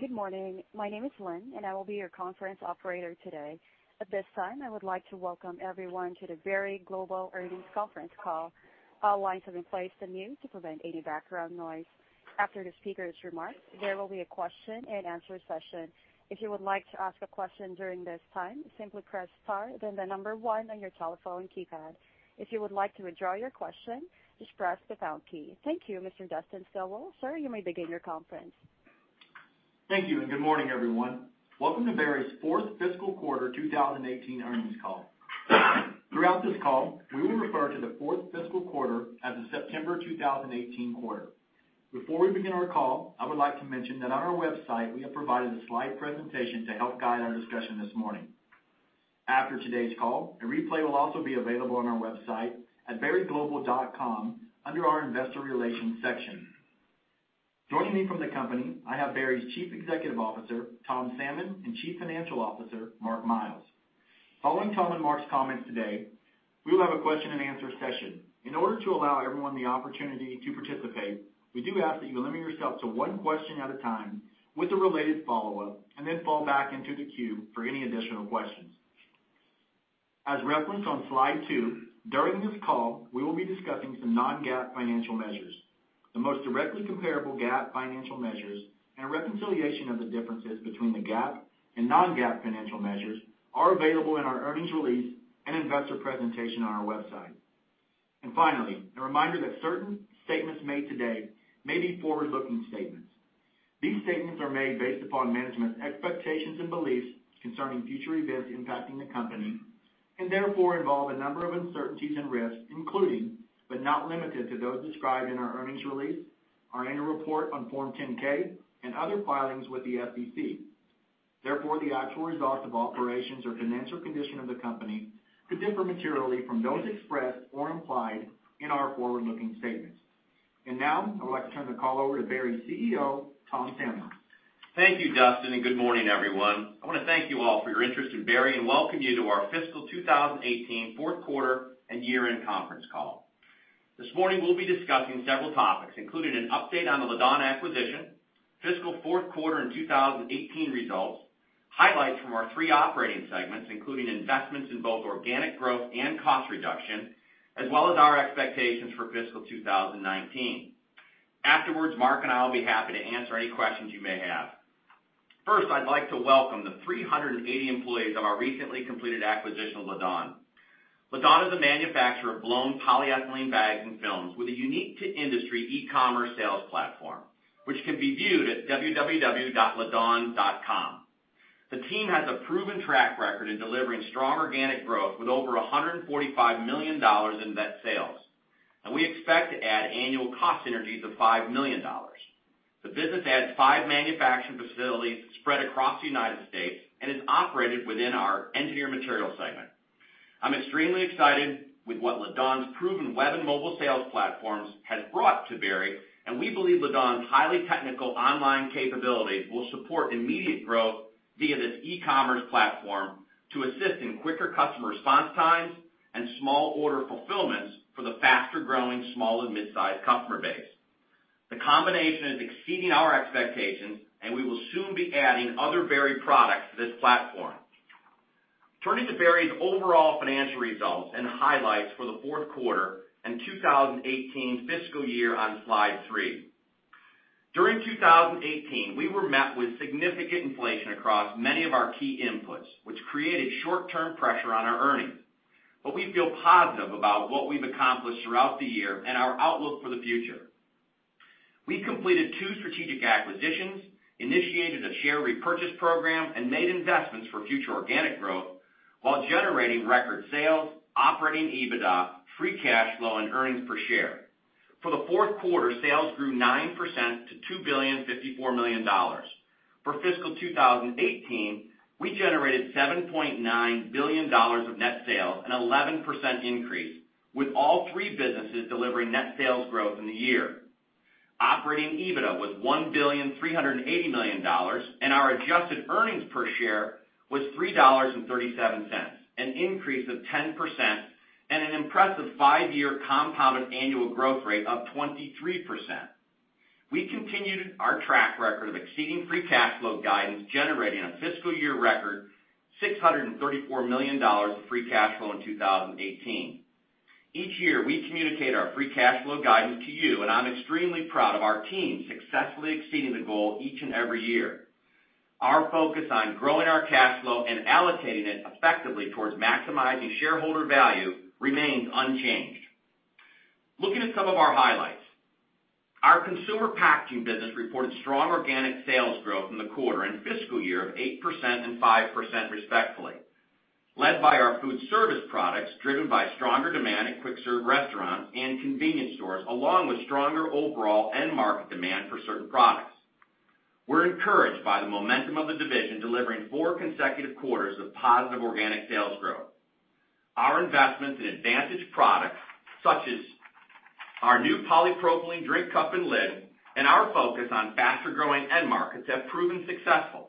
Good morning. My name is Lynn, and I will be your conference operator today. At this time, I would like to welcome everyone to the Berry Global earnings conference call. All lines have been placed on mute to prevent any background noise. After the speaker's remarks, there will be a question and answer session. If you would like to ask a question during this time, simply press star then the number one on your telephone keypad. If you would like to withdraw your question, just press the pound key. Thank you. Mr. Dustin Stilwell, sir, you may begin your conference. Thank you. Good morning, everyone. Welcome to Berry's fourth fiscal quarter 2018 earnings call. Throughout this call, we will refer to the fourth fiscal quarter as the September 2018 quarter. Before we begin our call, I would like to mention that on our website, we have provided a slide presentation to help guide our discussion this morning. After today's call, a replay will also be available on our website at berryglobal.com under our Investor Relations section. Joining me from the company, I have Berry's Chief Executive Officer, Tom Salmon, and Chief Financial Officer, Mark Miles. Following Tom and Mark's comments today, we will have a question and answer session. In order to allow everyone the opportunity to participate, we do ask that you limit yourself to one question at a time with a related follow-up and then fall back into the queue for any additional questions. As referenced on slide two, during this call, we will be discussing some non-GAAP financial measures. The most directly comparable GAAP financial measures, and a reconciliation of the differences between the GAAP and non-GAAP financial measures are available in our earnings release and investor presentation on our website. Finally, a reminder that certain statements made today may be forward-looking statements. These statements are made based upon management's expectations and beliefs concerning future events impacting the company, and therefore involve a number of uncertainties and risks, including, but not limited to, those described in our earnings release, our annual report on Form 10-K and other filings with the SEC. Therefore, the actual results of operations or financial condition of the company could differ materially from those expressed or implied in our forward-looking statements. Now, I would like to turn the call over to Berry's CEO, Tom Salmon. Thank you, Dustin. Good morning, everyone. I want to thank you all for your interest in Berry and welcome you to our fiscal 2018 fourth quarter and year-end conference call. This morning we'll be discussing several topics, including an update on the Laddawn acquisition, fiscal fourth quarter in 2018 results, highlights from our three operating segments, including investments in both organic growth and cost reduction, as well as our expectations for fiscal 2019. Afterwards, Mark and I will be happy to answer any questions you may have. First, I'd like to welcome the 380 employees of our recently completed acquisition of Laddawn. Laddawn is a manufacturer of blown polyethylene bags and films with a unique to industry e-commerce sales platform, which can be viewed at www.laddawn.com. The team has a proven track record in delivering strong organic growth with over $145 million in net sales. We expect to add annual cost synergies of $5 million. The business adds five manufacturing facilities spread across the United States and is operated within our Engineered Materials segment. I'm extremely excited with what Laddawn's proven web and mobile sales platforms has brought to Berry, and we believe Laddawn's highly technical online capabilities will support immediate growth via this e-commerce platform to assist in quicker customer response times and small order fulfillments for the faster-growing small and mid-sized customer base. The combination is exceeding our expectations, and we will soon be adding other Berry products to this platform. Turning to Berry's overall financial results and highlights for the fourth quarter and 2018 fiscal year on slide three. During 2018, we were met with significant inflation across many of our key inputs, which created short-term pressure on our earnings. We feel positive about what we've accomplished throughout the year and our outlook for the future. We completed two strategic acquisitions, initiated a share repurchase program, and made investments for future organic growth while generating record sales, operating EBITDA, free cash flow, and earnings per share. For the fourth quarter, sales grew 9% to $2.054 billion. For fiscal 2018, we generated $7.9 billion of net sales, an 11% increase, with all three businesses delivering net sales growth in the year. Operating EBITDA was $1.38 billion, and our adjusted earnings per share was $3.37, an increase of 10% and an impressive five-year compounded annual growth rate of 23%. We continued our track record of exceeding free cash flow guidance, generating a fiscal year record $634 million of free cash flow in 2018. Each year, we communicate our free cash flow guidance to you, and I'm extremely proud of our team successfully exceeding the goal each and every year. Our focus on growing our cash flow and allocating it effectively towards maximizing shareholder value remains unchanged. Looking at some of our highlights. Our Consumer Packaging business reported strong organic sales growth in the quarter and fiscal year of 8% and 5% respectfully, led by our food service products driven by stronger demand at quick serve restaurants and convenience stores, along with stronger overall end market demand for certain products. We're encouraged by the momentum of the division delivering four consecutive quarters of positive organic sales growth. Our investments in advantage products, such as our new polypropylene drink cup and lid, and our focus on faster-growing end markets have proven successful.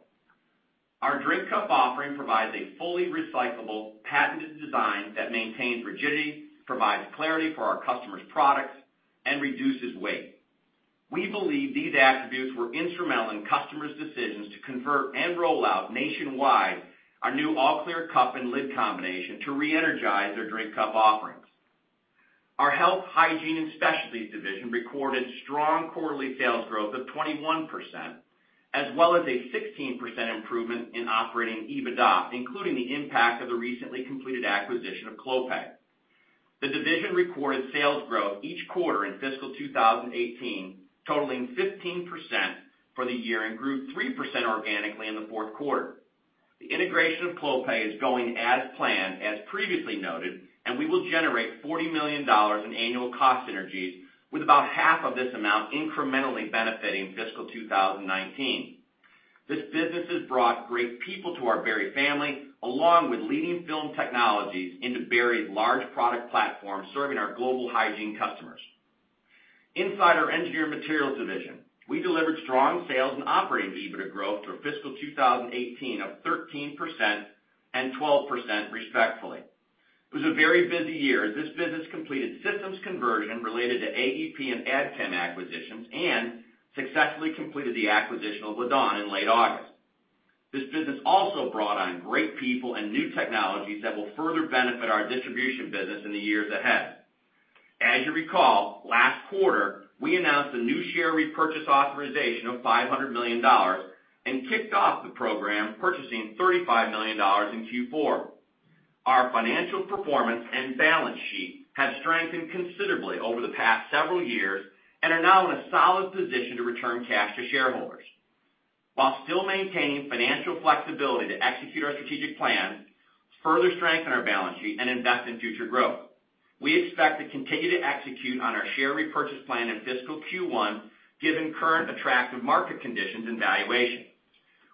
Drink cup offering provides a fully recyclable patented design that maintains rigidity, provides clarity for our customers' products, and reduces weight. We believe these attributes were instrumental in customers' decisions to convert and roll out nationwide our new all-clear cup and lid combination to re-energize their drink cup offerings. Our Health, Hygiene, and Specialties division recorded strong quarterly sales growth of 21%, as well as a 16% improvement in operating EBITDA, including the impact of the recently completed acquisition of Clopay. The division recorded sales growth each quarter in fiscal 2018, totaling 15% for the year, and grew 3% organically in the fourth quarter. The integration of Clopay is going as planned, as previously noted, and we will generate $40 million in annual cost synergies with about half of this amount incrementally benefiting fiscal 2019. This business has brought great people to our Berry family, along with leading film technologies into Berry's large product platform, serving our global hygiene customers. Inside our Engineered Materials division, we delivered strong sales and operating EBITDA growth for fiscal 2018 of 13% and 12% respectfully. It was a very busy year, as this business completed systems conversion related to AEP and Adchem acquisitions and successfully completed the acquisition of Laddawn in late August. This business also brought on great people and new technologies that will further benefit our distribution business in the years ahead. As you recall, last quarter, we announced a new share repurchase authorization of $500 million and kicked off the program purchasing $35 million in Q4. Our financial performance and balance sheet have strengthened considerably over the past several years and are now in a solid position to return cash to shareholders while still maintaining financial flexibility to execute our strategic plan, further strengthen our balance sheet, and invest in future growth. We expect to continue to execute on our share repurchase plan in fiscal Q1, given current attractive market conditions and valuation.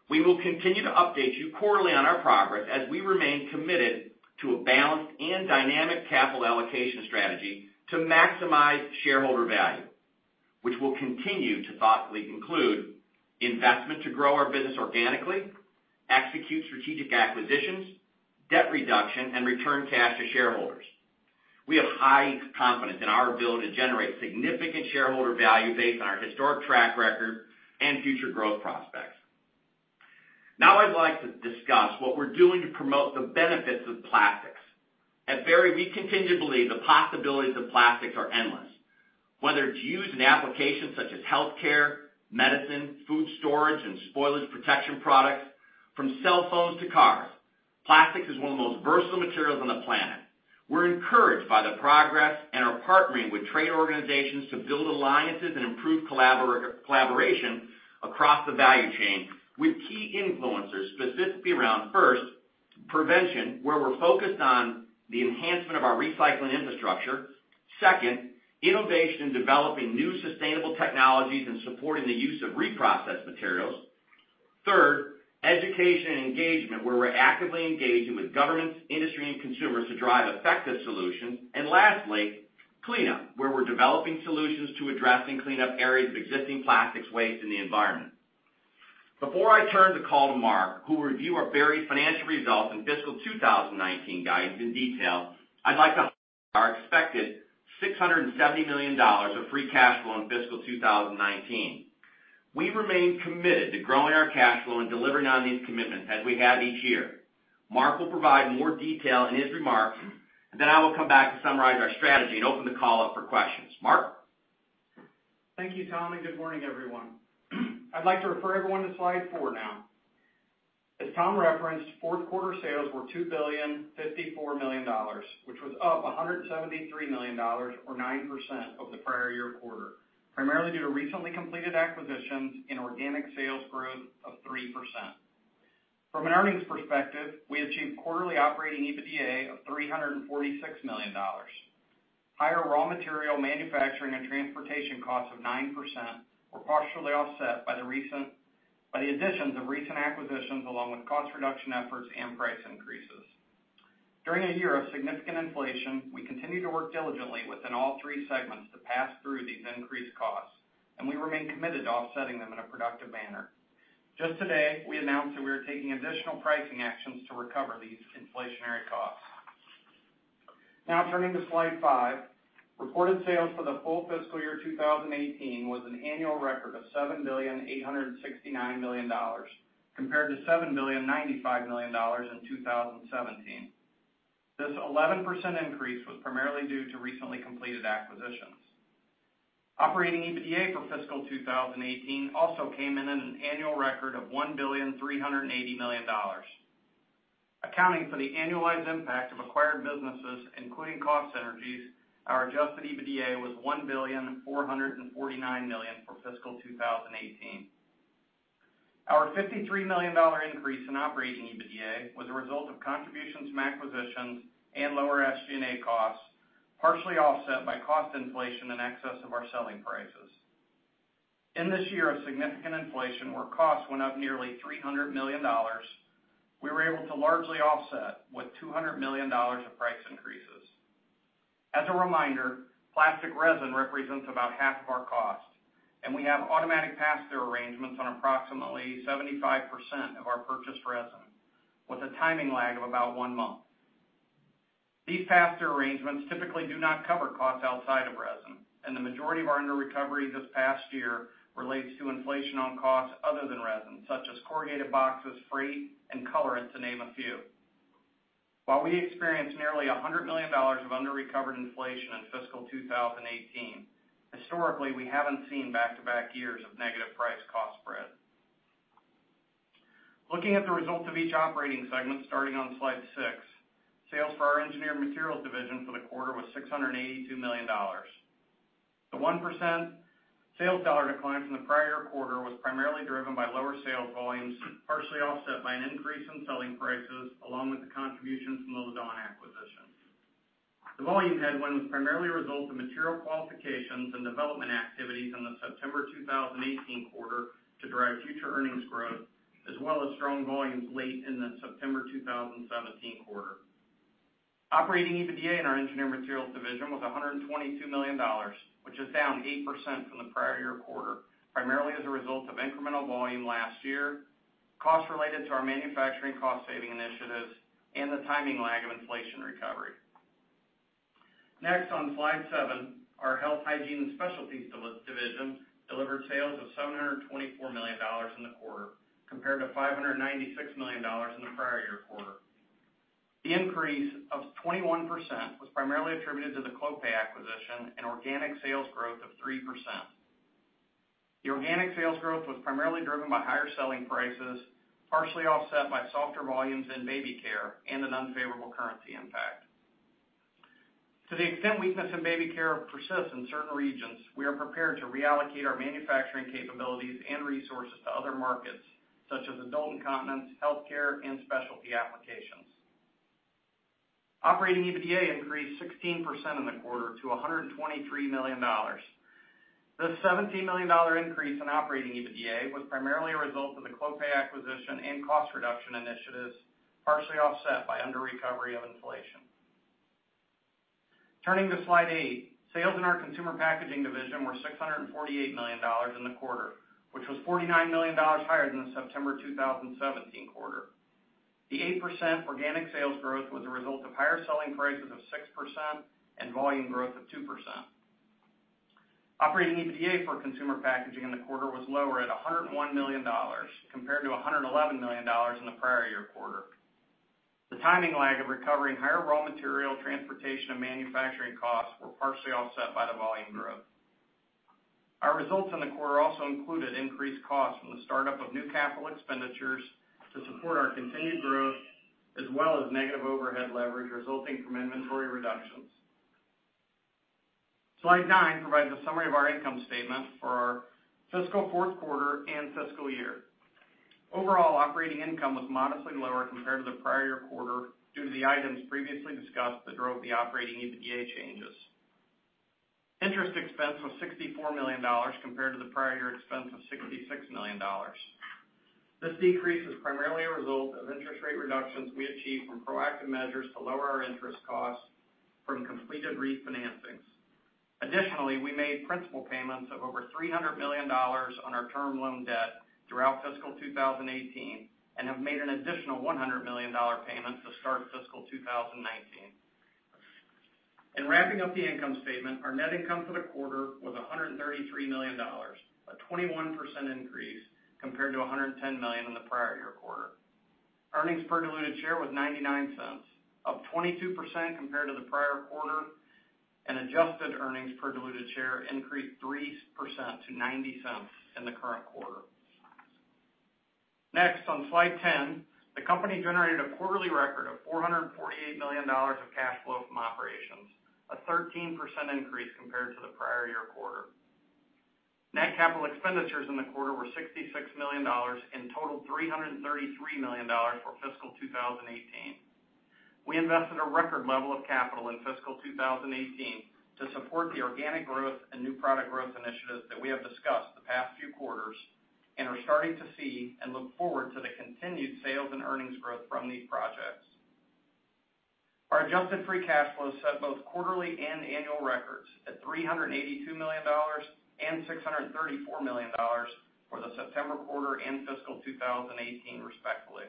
We will continue to update you quarterly on our progress as we remain committed to a balanced and dynamic capital allocation strategy to maximize shareholder value, which will continue to thoughtfully include investment to grow our business organically, execute strategic acquisitions, debt reduction, and return cash to shareholders. We have high confidence in our ability to generate significant shareholder value based on our historic track record and future growth prospects. Now I'd like to discuss what we're doing to promote the benefits of plastics. At Berry, we continue to believe the possibilities of plastics are endless. Whether it's used in applications such as healthcare, medicine, food storage, and spoilage protection products, from cell phones to cars, plastics is one of the most versatile materials on the planet. We're encouraged by the progress and are partnering with trade organizations to build alliances and improve collaboration across the value chain with key influencers, specifically around, first, prevention, where we're focused on the enhancement of our recycling infrastructure. Second, innovation in developing new sustainable technologies and supporting the use of reprocessed materials. Third, education and engagement, where we're actively engaging with governments, industry, and consumers to drive effective solutions. Lastly, cleanup, where we're developing solutions to addressing cleanup areas of existing plastics waste in the environment. Before I turn the call to Mark, who will review our Berry's financial results and fiscal 2019 guidance in detail, I'd like to highlight our expected $670 million of free cash flow in fiscal 2019. We remain committed to growing our cash flow and delivering on these commitments as we have each year. Mark will provide more detail in his remarks, and then I will come back to summarize our strategy and open the call up for questions. Mark? Thank you, Tom, and good morning, everyone. I'd like to refer everyone to slide four now. As Tom referenced, fourth quarter sales were $2.054 billion, which was up $173 million or 9% of the prior year quarter, primarily due to recently completed acquisitions and organic sales growth of 3%. From an earnings perspective, we achieved quarterly operating EBITDA of $346 million. Higher raw material manufacturing and transportation costs of 9% were partially offset by the additions of recent acquisitions, along with cost reduction efforts and price increases. During a year of significant inflation, we continue to work diligently within all three segments to pass through these increased costs, and we remain committed to offsetting them in a productive manner. Just today, we announced that we are taking additional pricing actions to recover these inflationary costs. Now turning to slide five. Reported sales for the full fiscal year 2018 was an annual record of $7.869 billion compared to $7.095 billion in 2017. This 11% increase was primarily due to recently completed acquisitions. Operating EBITDA for fiscal 2018 also came in at an annual record of $1.380 billion. Accounting for the annualized impact of acquired businesses, including cost synergies, our adjusted EBITDA was $1.449 billion for fiscal 2018. Our $53 million increase in operating EBITDA was a result of contributions from acquisitions and lower SG&A costs, partially offset by cost inflation in excess of our selling prices. In this year of significant inflation, where costs went up nearly $300 million, we were able to largely offset with $200 million of price increases. As a reminder, plastic resin represents about half of our cost, and we have automatic pass-through arrangements on approximately 75% of our purchased resin, with a timing lag of about one month. These pass-through arrangements typically do not cover costs outside of resin, and the majority of our under-recovery this past year relates to inflation on costs other than resin, such as corrugated boxes, freight, and colorants, to name a few. While we experienced nearly $100 million of under-recovered inflation in fiscal 2018, historically, we haven't seen back-to-back years of negative price cost spread. Looking at the results of each operating segment starting on slide six, sales for our Engineered Materials division for the quarter was $682 million. The 1% sales dollar decline from the prior quarter was primarily driven by lower sales volumes, partially offset by an increase in selling prices, along with the contribution from the Laddawn acquisition. The volume headwind was primarily a result of material qualifications and development activities in the September 2018 quarter to drive future earnings growth, as well as strong volumes late in the September 2017 quarter. Operating EBITDA in our Engineered Materials division was $122 million, which is down 8% from the prior year quarter, primarily as a result of incremental volume last year, costs related to our manufacturing cost-saving initiatives, and the timing lag of inflation recovery. Next, on slide seven, our Health, Hygiene, and Specialties division delivered sales of $724 million in the quarter compared to $596 million in the prior year quarter. The increase of 21% was primarily attributed to the Clopay acquisition and organic sales growth of 3%. The organic sales growth was primarily driven by higher selling prices, partially offset by softer volumes in baby care and an unfavorable currency impact. To the extent weakness in baby care persists in certain regions, we are prepared to reallocate our manufacturing capabilities and resources to other markets such as adult incontinence, healthcare, and specialty applications. Operating EBITDA increased 16% in the quarter to $123 million. This $17 million increase in operating EBITDA was primarily a result of the Clopay acquisition and cost reduction initiatives, partially offset by under-recovery of inflation. Turning to slide eight, sales in our Consumer Packaging division were $648 million in the quarter, which was $49 million higher than the September 2017 quarter. The 8% organic sales growth was a result of higher selling prices of 6% and volume growth of 2%. Operating EBITDA for Consumer Packaging in the quarter was lower at $101 million, compared to $111 million in the prior year quarter. The timing lag of recovering higher raw material, transportation, and manufacturing costs were partially offset by the volume growth. Our results in the quarter also included increased costs from the startup of new capital expenditures to support our continued growth, as well as negative overhead leverage resulting from inventory reductions. Slide nine provides a summary of our income statement for our fiscal fourth quarter and fiscal year. Overall, operating income was modestly lower compared to the prior year quarter due to the items previously discussed that drove the operating EBITDA changes. Interest expense was $64 million compared to the prior year expense of $66 million. This decrease is primarily a result of interest rate reductions we achieved from proactive measures to lower our interest costs from completed refinancings. Additionally, we made principal payments of over $300 million on our term loan debt throughout fiscal 2018 and have made an additional $100 million payment to start fiscal 2019. In wrapping up the income statement, our net income for the quarter was $133 million, a 21% increase compared to $110 million in the prior year quarter. Earnings per diluted share was $0.99, up 22% compared to the prior quarter, and adjusted earnings per diluted share increased 3% to $0.90 in the current quarter. Next, on slide 10, the company generated a quarterly record of $448 million of cash flow from operations, a 13% increase compared to the prior year quarter. Net capital expenditures in the quarter were $66 million and totaled $333 million for fiscal 2018. We invested a record level of capital in fiscal 2018 to support the organic growth and new product growth initiatives that we have discussed the past few quarters and are starting to see and look forward to the continued sales and earnings growth from these projects. Our adjusted free cash flow set both quarterly and annual records at $382 million and $634 million for the September quarter and fiscal 2018, respectively.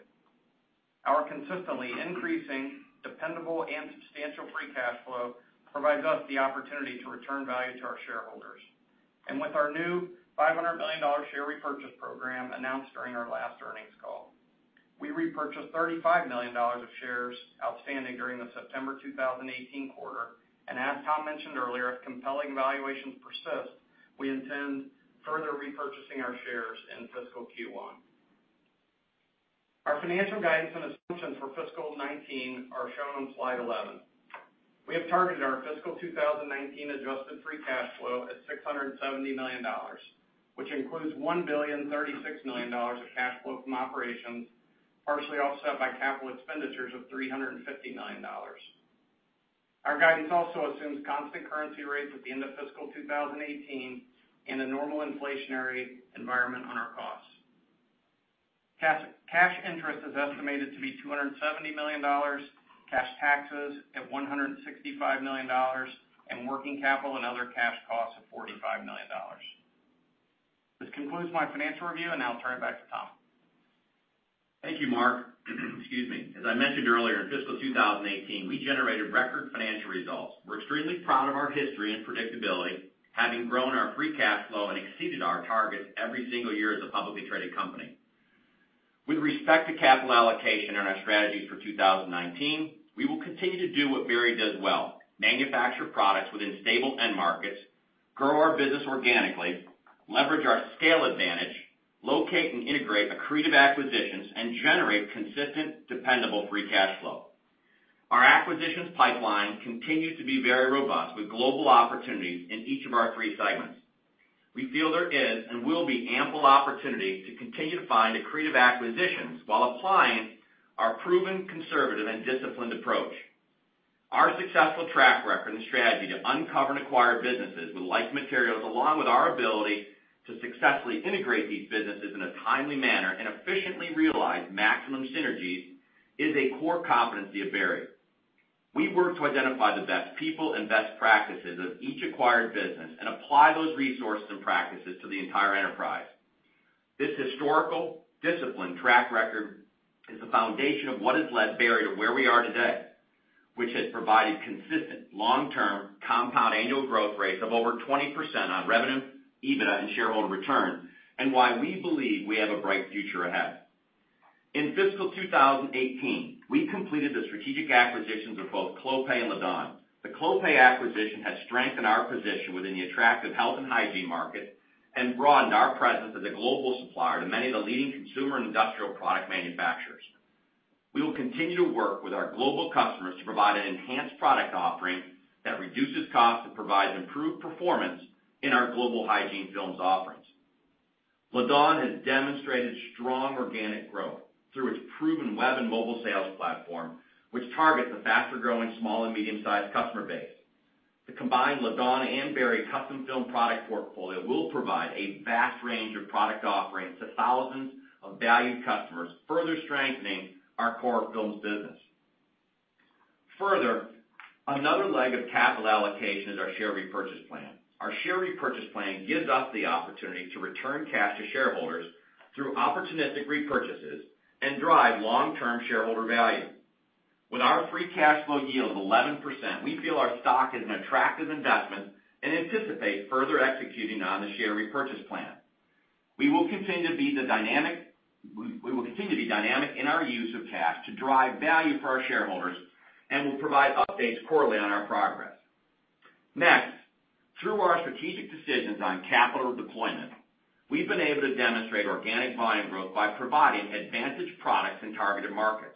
Our consistently increasing dependable and substantial free cash flow provides us the opportunity to return value to our shareholders. With our new $500 million share repurchase program announced during our last earnings call, we repurchased $35 million of shares outstanding during the September 2018 quarter. As Tom mentioned earlier, if compelling valuations persist, we intend further repurchasing our shares in fiscal Q1. Our financial guidance and assumptions for fiscal 2019 are shown on slide 11. We have targeted our fiscal 2019 adjusted free cash flow at $670 million, which includes $1.036 billion of cash flow from operations, partially offset by capital expenditures of $350 million. Our guidance also assumes constant currency rates at the end of fiscal 2018 and a normal inflationary environment on our costs. Cash interest is estimated to be $270 million, cash taxes at $165 million, and working capital and other cash costs of $45 million. This concludes my financial review, and now I'll turn it back to Tom. Thank you, Mark. Excuse me. As I mentioned earlier, in fiscal 2018, we generated record financial results. We're extremely proud of our history and predictability, having grown our free cash flow and exceeded our targets every single year as a publicly traded company. With respect to capital allocation and our strategies for 2019, we will continue to do what Berry does well: manufacture products within stable end markets, grow our business organically, leverage our scale advantage, locate and integrate accretive acquisitions, and generate consistent, dependable free cash flow. Our acquisitions pipeline continues to be very robust, with global opportunities in each of our three segments. We feel there is and will be ample opportunity to continue to find accretive acquisitions while applying our proven conservative and disciplined approach. Our successful track record and strategy to uncover and acquire businesses with like materials, along with our ability to successfully integrate these businesses in a timely manner and efficiently realize maximum synergies, is a core competency of Berry. We work to identify the best people and best practices of each acquired business and apply those resources and practices to the entire enterprise. This historical disciplined track record is the foundation of what has led Berry to where we are today, which has provided consistent long-term compound annual growth rates of over 20% on revenue, EBITDA, and shareholder returns, and why we believe we have a bright future ahead. In fiscal 2018, we completed the strategic acquisitions of both Clopay and Laddawn. The Clopay acquisition has strengthened our position within the attractive health and hygiene market and broadened our presence as a global supplier to many of the leading consumer and industrial product manufacturers. We will continue to work with our global customers to provide an enhanced product offering that reduces cost and provides improved performance in our global hygiene films offerings. Laddawn has demonstrated strong organic growth through its proven web and mobile sales platform, which targets the faster-growing small and medium-sized customer base. The combined Laddawn and Berry custom film product portfolio will provide a vast range of product offerings to thousands of valued customers, further strengthening our core films business. Further, another leg of capital allocation is our share repurchase plan. Our share repurchase plan gives us the opportunity to return cash to shareholders through opportunistic repurchases and drive long-term shareholder value. With our free cash flow yield of 11%, we feel our stock is an attractive investment and anticipate further executing on the share repurchase plan. We will continue to be dynamic in our use of cash to drive value for our shareholders, and we'll provide updates quarterly on our progress. Next, through our strategic decisions on capital deployment, we've been able to demonstrate organic volume growth by providing advantage products in targeted markets.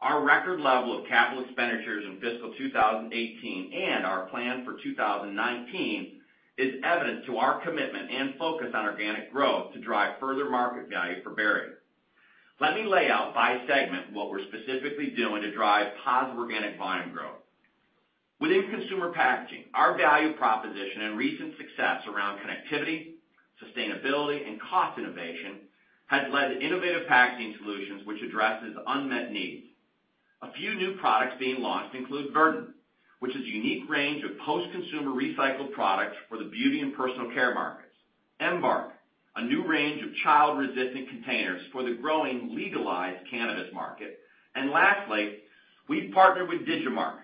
Our record level of capital expenditures in fiscal 2018 and our plan for 2019 is evident to our commitment and focus on organic growth to drive further market value for Berry. Let me lay out by segment what we're specifically doing to drive positive organic volume growth. Within Consumer Packaging, our value proposition and recent success around connectivity, sustainability, and cost innovation has led to innovative packaging solutions which addresses unmet needs. A few new products being launched include Verdant, which is a unique range of post-consumer recycled products for the beauty and personal care markets. Embark, a new range of child-resistant containers for the growing legalized cannabis market. Lastly, we've partnered with Digimarc,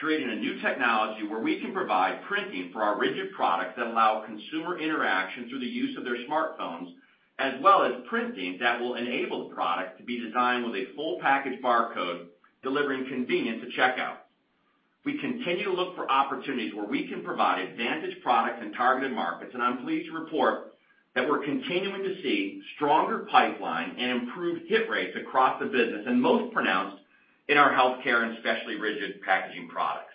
creating a new technology where we can provide printing for our rigid products that allow consumer interaction through the use of their smartphones, as well as printing that will enable the product to be designed with a full package barcode, delivering convenience at checkout. We continue to look for opportunities where we can provide advantage products in targeted markets. I'm pleased to report that we're continuing to see stronger pipeline and improved hit rates across the business, and most pronounced in our healthcare and specialty rigid packaging products.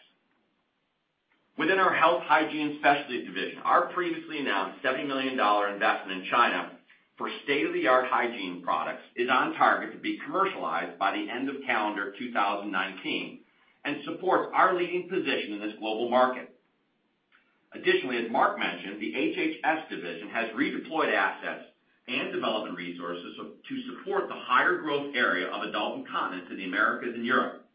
Within our Health, Hygiene, and Specialties division, our previously announced $70 million investment in China for state-of-the-art hygiene products is on target to be commercialized by the end of calendar 2019 and supports our leading position in this global market. Additionally, as Mark mentioned, the HHS division has redeployed assets and development resources to support the higher growth area of adult incontinence in the Americas and Europe.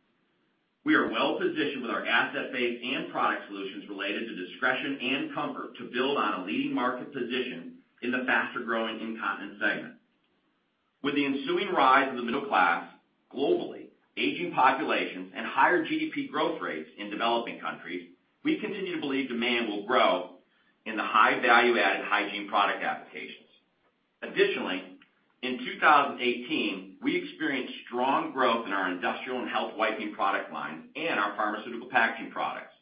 We are well positioned with our asset base and product solutions related to discretion and comfort to build on a leading market position in the faster-growing incontinence segment. With the ensuing rise of the middle class globally, aging populations, and higher GDP growth rates in developing countries, we continue to believe demand will grow in the high value-added hygiene product applications. Additionally, in 2018, we experienced strong growth in our industrial and health wiping product line and our pharmaceutical packaging products.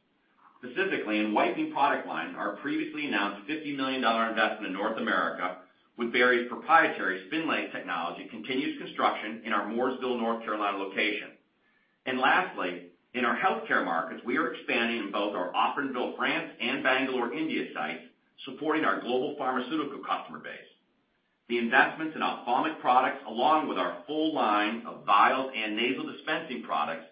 Specifically, in wiping product line, our previously announced $50 million investment in North America with Berry's proprietary spunlace technology continues construction in our Mooresville, North Carolina location. Lastly, in our healthcare markets, we are expanding in both our Offranville, France, and Bangalore, India sites, supporting our global pharmaceutical customer base. The investments in ophthalmic products along our full line of vials and nasal dispensing products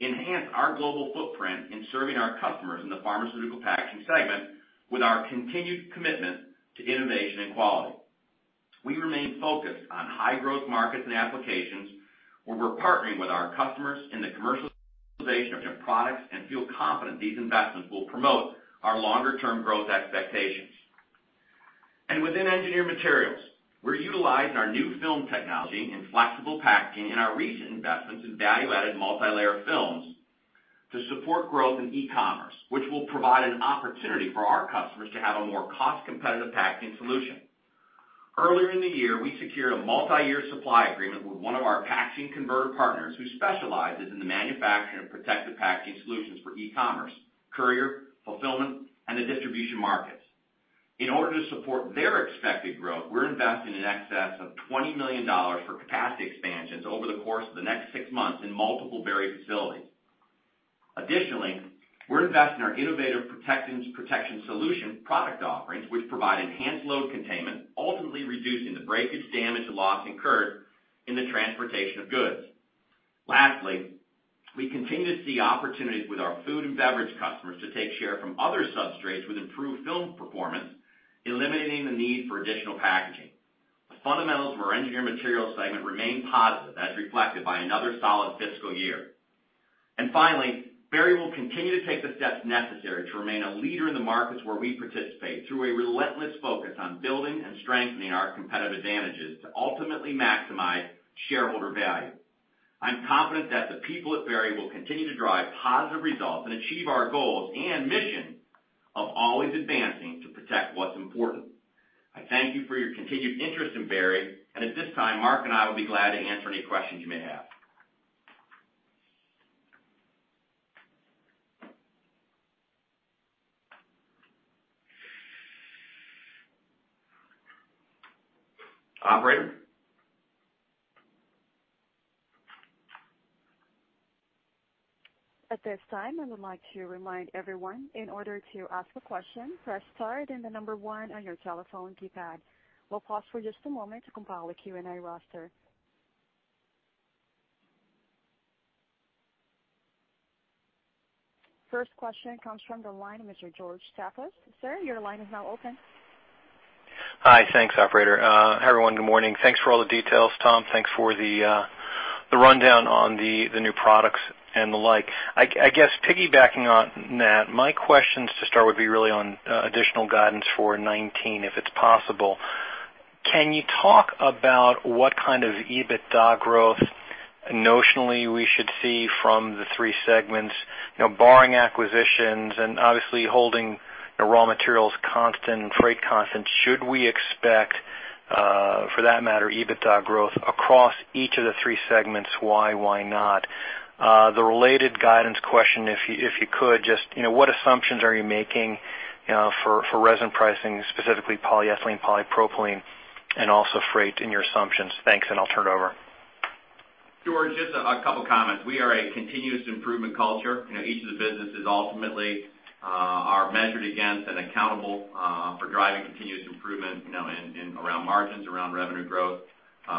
enhance our global footprint in serving our customers in the pharmaceutical packaging segment, with our continued commitment to innovation and quality. We remain focused on high growth markets and applications, where we're partnering with our customers in the commercialization of products and feel confident these investments will promote our longer-term growth expectations. Within Engineered Materials, we're utilizing our new film technology in flexible packaging and our recent investments in value-added multilayer films to support growth in e-commerce, which will provide an opportunity for our customers to have a more cost-competitive packaging solution. Earlier in the year, we secured a multi-year supply agreement with one of our packaging converter partners who specializes in the manufacturing of protective packaging solutions for e-commerce, courier, fulfillment, and the distribution markets. In order to support their expected growth, we're investing in excess of $20 million for capacity expansions over the course of the next six months in multiple Berry facilities. Additionally, we're investing our innovative protection solution product offerings, which provide enhanced load containment, ultimately reducing the breakage, damage, and loss incurred in the transportation of goods. Lastly, we continue to see opportunities with our food and beverage customers to take share from other substrates with improved film performance, eliminating the need for additional packaging. The fundamentals of our Engineered Materials segment remain positive, as reflected by another solid fiscal year. Finally, Berry will continue to take the steps necessary to remain a leader in the markets where we participate, through a relentless focus on building and strengthening our competitive advantages to ultimately maximize shareholder value. I'm confident that the people at Berry will continue to drive positive results and achieve our goals and mission of always advancing to protect what's important. I thank you for your continued interest in Berry. At this time, Mark and I will be glad to answer any questions you may have. Operator? At this time, I would like to remind everyone, in order to ask a question, press star, then the number one on your telephone keypad. We'll pause for just a moment to compile a Q&A roster. First question comes from the line of Mr. George Staphos. Sir, your line is now open. Hi. Thanks, operator. Hi, everyone. Good morning. Thanks for all the details. Tom, thanks for the rundown on the new products and the like. I guess piggybacking on that, my questions to start would be really on additional guidance for 2019, if it's possible. Can you talk about what kind of EBITDA growth notionally we should see from the three segments? Barring acquisitions and obviously holding raw materials constant and freight constant, should we expect, for that matter, EBITDA growth across each of the three segments? Why? Why not? The related guidance question, if you could just, what assumptions are you making for resin pricing, specifically polyethylene, polypropylene, and also freight in your assumptions? Thanks. I'll turn it over. George, just a couple comments. We are a continuous improvement culture. Each of the businesses ultimately are measured against and accountable for driving continuous improvement around margins, around revenue growth,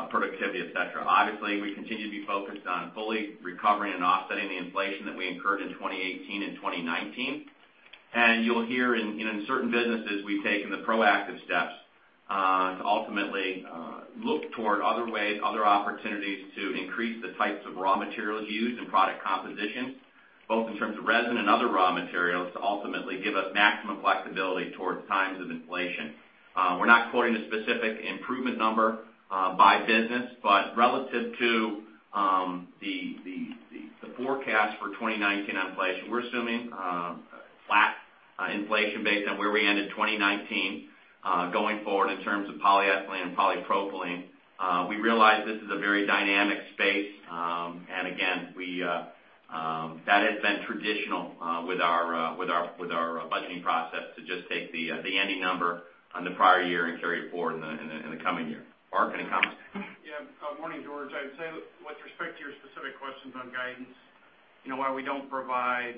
productivity, et cetera. Obviously, we continue to be focused on fully recovering and offsetting the inflation that we incurred in 2018 and 2019. You'll hear in certain businesses, we've taken the proactive steps to ultimately look toward other ways, other opportunities to increase the types of raw materials used in product composition, both in terms of resin and other raw materials, to ultimately give us maximum flexibility towards times of inflation. We're not quoting a specific improvement number by business, but relative to the forecast for 2019 inflation, we're assuming a flat inflation based on where we ended 2019. Going forward, in terms of polyethylene and polypropylene, we realize this is a very dynamic space. Again, that has been traditional with our budgeting process to just take the ending number on the prior year and carry it forward in the coming year. Mark, any comments? Yeah. Morning, George. I'd say with respect to your specific questions on guidance, while we don't provide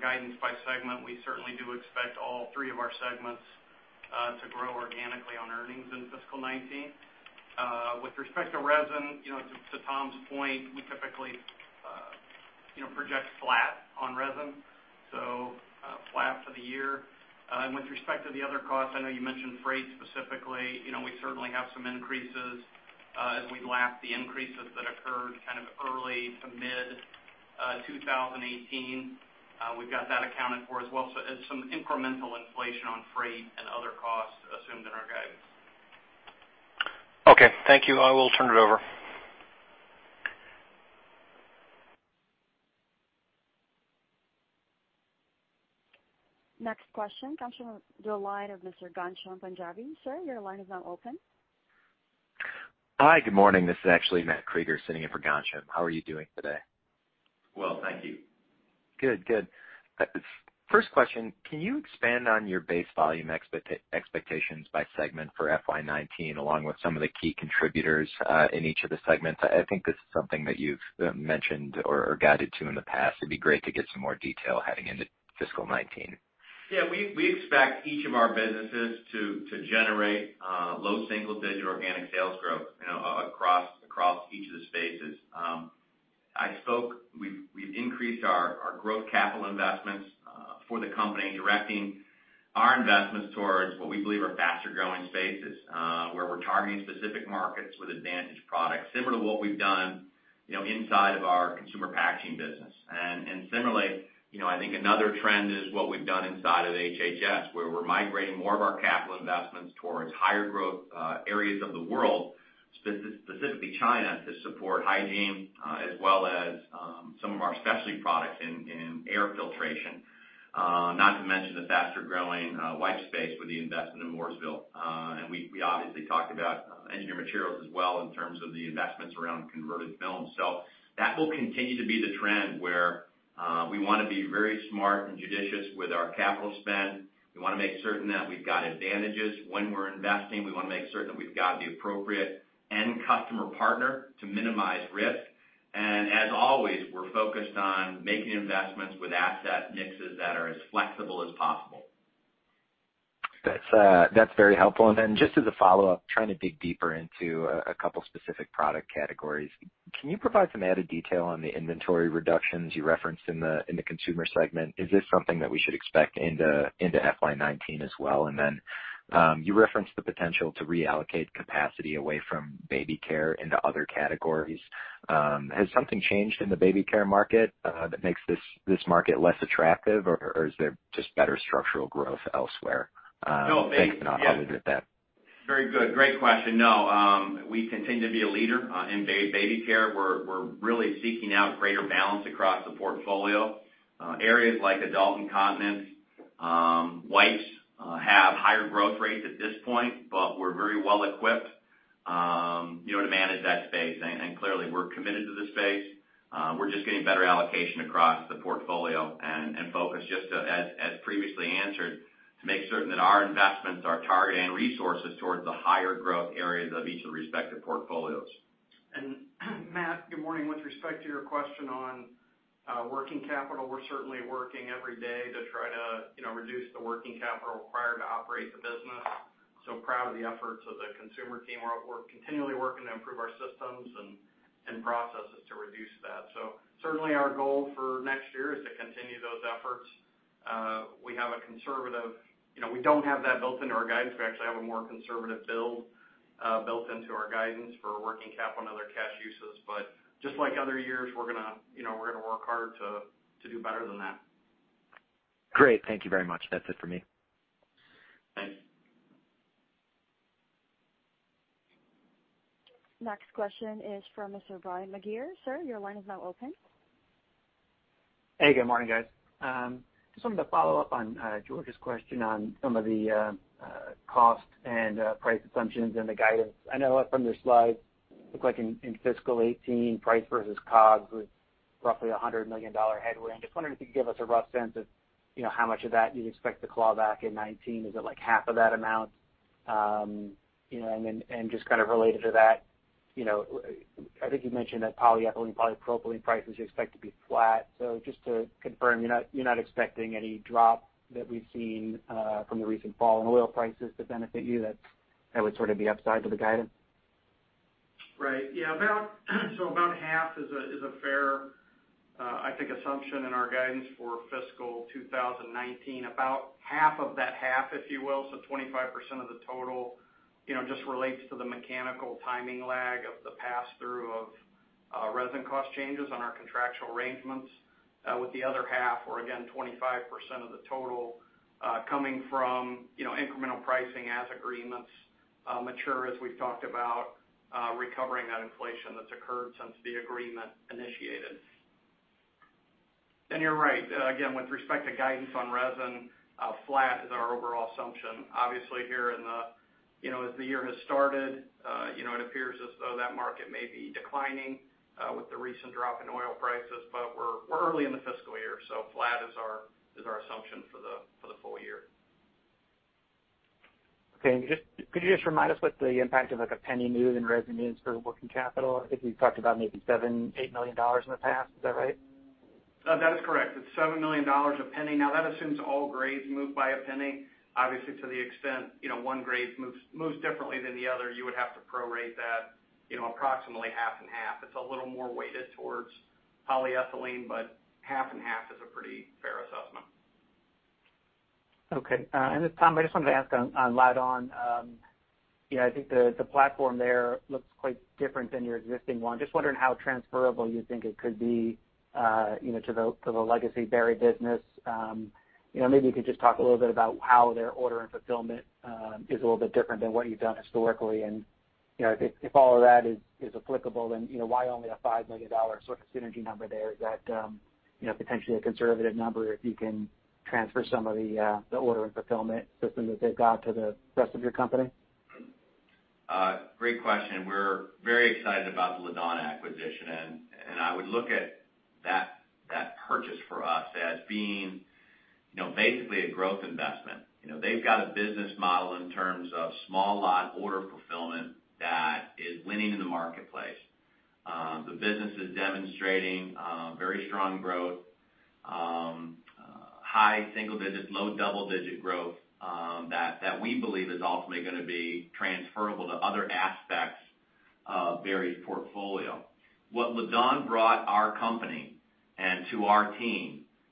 guidance by segment, we certainly do expect all three of our segments to grow organically on earnings in fiscal 2019. With respect to resin, to Tom's point, we typically project flat on resin, so flat for the year. With respect to the other costs, I know you mentioned freight specifically. We certainly have some increases as we lap the increases that occurred kind of early to mid-2018. We've got that accounted for as well. Some incremental inflation on freight and other costs assumed in our guidance. Okay, thank you. I will turn it over. Next question comes from the line of Mr. Ghansham Panjabi. Sir, your line is now open. Hi, good morning. This is actually Matt Krueger sitting in for Ghansham. How are you doing today? Well, thank you. Good. First question, can you expand on your base volume expectations by segment for FY 2019, along with some of the key contributors in each of the segments? I think this is something that you've mentioned or guided to in the past. It'd be great to get some more detail heading into fiscal 2019. Yeah, we expect each of our businesses to generate low single-digit organic sales growth spaces. As I spoke, we've increased our growth capital investments for the company, directing our investments towards what we believe are faster-growing spaces, where we're targeting specific markets with advantage products, similar to what we've done inside of our Consumer Packaging business. Similarly, I think another trend is what we've done inside of HHS, where we're migrating more of our capital investments towards higher growth areas of the world, specifically China, to support hygiene, as well as some of our specialty products in air filtration. Not to mention the faster-growing wipe space with the investment in Mooresville. We obviously talked about Engineered Materials as well in terms of the investments around converted films. That will continue to be the trend where we want to be very smart and judicious with our capital spend. We want to make certain that we've got advantages when we're investing. We want to make certain that we've got the appropriate end customer partner to minimize risk. As always, we're focused on making investments with asset mixes that are as flexible as possible. That's very helpful. Just as a follow-up, trying to dig deeper into a couple of specific product categories, can you provide some added detail on the inventory reductions you referenced in the consumer segment? Is this something that we should expect into FY 2019 as well? You referenced the potential to reallocate capacity away from baby care into other categories. Has something changed in the baby care market that makes this market less attractive, or is there just better structural growth elsewhere? No. Thanks. I'll leave it at that. Very good. Great question. We continue to be a leader in baby care. We're really seeking out greater balance across the portfolio. Areas like adult incontinence, wipes, have higher growth rates at this point, but we're very well equipped to manage that space. Clearly, we're committed to the space. We're just getting better allocation across the portfolio and focused, just as previously answered, to make certain that our investments are targeting resources towards the higher growth areas of each of the respective portfolios. Matt, good morning. With respect to your question on working capital, we're certainly working every day to try to reduce the working capital required to operate the business. Proud of the efforts of the consumer team. We're continually working to improve our systems and processes to reduce that. Certainly our goal for next year is to continue those efforts. We don't have that built into our guidance. We actually have a more conservative build built into our guidance for working capital and other cash uses. Just like other years, we're going to work hard to do better than that. Great. Thank you very much. That's it for me. Thanks. Next question is from Mr. Brian Maguire. Sir, your line is now open. Hey, good morning, guys. Just wanted to follow up on George's question on some of the cost and price assumptions and the guidance. I know from your slides, it looks like in fiscal 2018, price versus COGS was roughly $100 million headwind. Just wondering if you could give us a rough sense of how much of that you'd expect to claw back in 2019. Is it like half of that amount? Just kind of related to that, I think you mentioned that polyethylene, polypropylene prices you expect to be flat. Just to confirm, you're not expecting any drop that we've seen from the recent fall in oil prices to benefit you that would sort of be upside to the guidance. Right. Yeah. About half is a fair, I think, assumption in our guidance for fiscal 2019. About half of that half, if you will, so 25% of the total, just relates to the mechanical timing lag of the pass-through of resin cost changes on our contractual arrangements. With the other half, or again, 25% of the total, coming from incremental pricing as agreements mature, as we've talked about recovering that inflation that's occurred since the agreement initiated. You're right. Again, with respect to guidance on resin, flat is our overall assumption. Obviously as the year has started, it appears as though that market may be declining with the recent drop in oil prices, but we're early in the fiscal year, so flat is our assumption for the full year. Okay. Could you just remind us what the impact of a $0.01 Move in resin is for working capital? I think you've talked about maybe $7 million, $8 million in the past. Is that right? That is correct. It's $7 million a $0.01. That assumes all grades move by a $0.01. Obviously, to the extent one grade moves differently than the other, you would have to prorate that approximately half and half. It's a little more weighted towards polyethylene, but half and half is a pretty fair assessment. Okay. Tom, I just wanted to ask on Laddawn. I think the platform there looks quite different than your existing one. Just wondering how transferable you think it could be to the legacy Berry business. Maybe you could just talk a little bit about how their order and fulfillment is a little bit different than what you've done historically. If all of that is applicable, then why only a $5 million sort of synergy number there? Is that potentially a conservative number if you can transfer some of the order and fulfillment system that they've got to the rest of your company? Great question. We're very excited about the Laddawn acquisition, and I would look at that purchase for us as being basically a growth investment. They've got a business model in terms of small lot order fulfillment that is winning in the marketplace. The business is demonstrating very strong growth high single digit, low double-digit growth that we believe is ultimately going to be transferable to other aspects of Berry's portfolio. What Laddawn brought our company and to our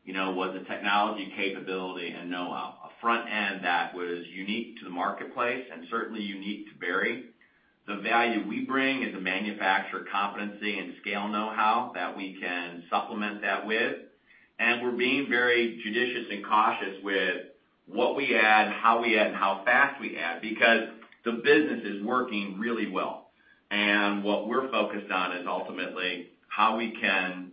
team was a technology capability and knowhow. A front end that was unique to the marketplace and certainly unique to Berry. The value we bring is a manufacturer competency and scale knowhow that we can supplement that with, and we're being very judicious and cautious with what we add, how we add, and how fast we add, because the business is working really well. What we're focused on is ultimately how we can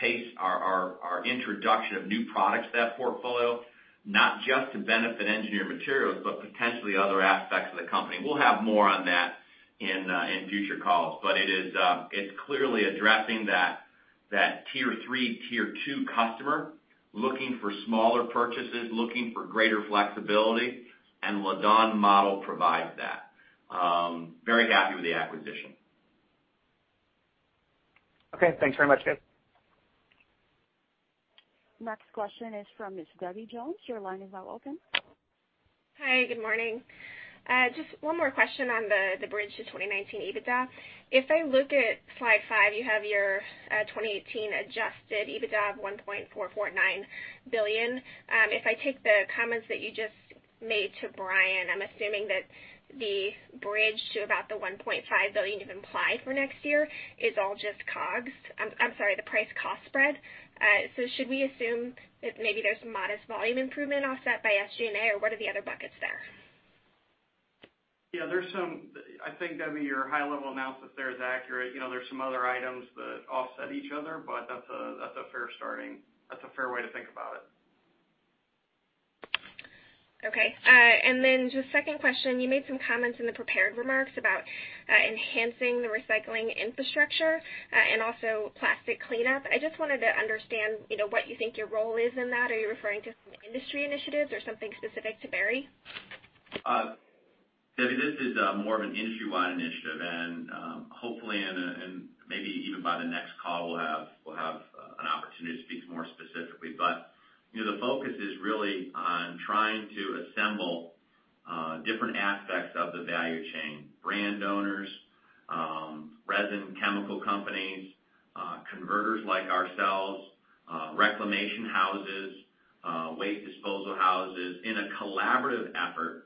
pace our introduction of new products to that portfolio, not just to benefit Engineered Materials, but potentially other aspects of the company. We'll have more on that in future calls. It's clearly addressing that Tier 3, Tier 2 customer looking for smaller purchases, looking for greater flexibility, and Laddawn model provides that. Very happy with the acquisition. Okay, thanks very much, guys. Next question is from Ms. Debbie Jones. Your line is now open. Hi, good morning. Just one more question on the bridge to 2019 EBITDA. If I look at slide five, you have your 2018 adjusted EBITDA of $1.449 billion. If I take the comments that you just made to Brian, I'm assuming that the bridge to about the $1.5 billion you've implied for next year is all just COGS. I'm sorry, the price-cost spread. Should we assume that maybe there's some modest volume improvement offset by SG&A, or what are the other buckets there? Yeah, I think, Debbie, your high-level analysis there is accurate. There's some other items that offset each other, that's a fair way to think about it. Okay. Just second question, you made some comments in the prepared remarks about enhancing the recycling infrastructure, and also plastic cleanup. I just wanted to understand what you think your role is in that. Are you referring to some industry initiatives or something specific to Berry? Debbie, this is more of an industry wide initiative. Hopefully, maybe even by the next call, we'll have an opportunity to speak more specifically. The focus is really on trying to assemble different aspects of the value chain. Brand owners, resin chemical companies, converters like ourselves, reclamation houses, waste disposal houses in a collaborative effort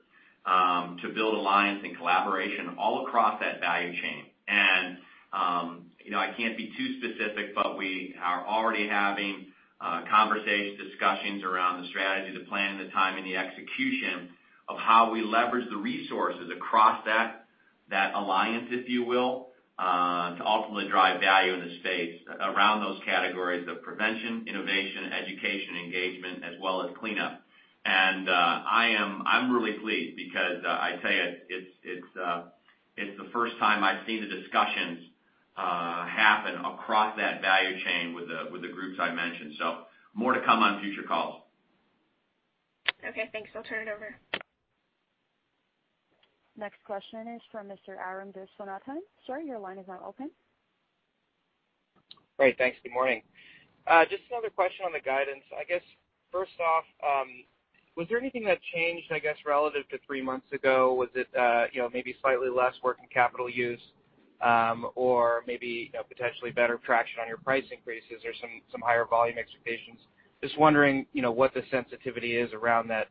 to build alliance and collaboration all across that value chain. I can't be too specific, but we are already having conversations, discussions around the strategy, the plan, the time, and the execution of how we leverage the resources across that alliance, if you will, to ultimately drive value in the space around those categories of prevention, innovation, education, engagement, as well as cleanup. I'm really pleased because I tell you, it's the first time I've seen the discussions happen across that value chain with the groups I mentioned. More to come on future calls. Okay, thanks. I'll turn it over. Next question is from Mr. Arun Viswanathan. Sir, your line is now open. Great. Thanks. Good morning. Just another question on the guidance. First off, was there anything that changed, relative to three months ago? Was it maybe slightly less working capital use, or maybe potentially better traction on your price increases or some higher volume expectations? Just wondering what the sensitivity is around that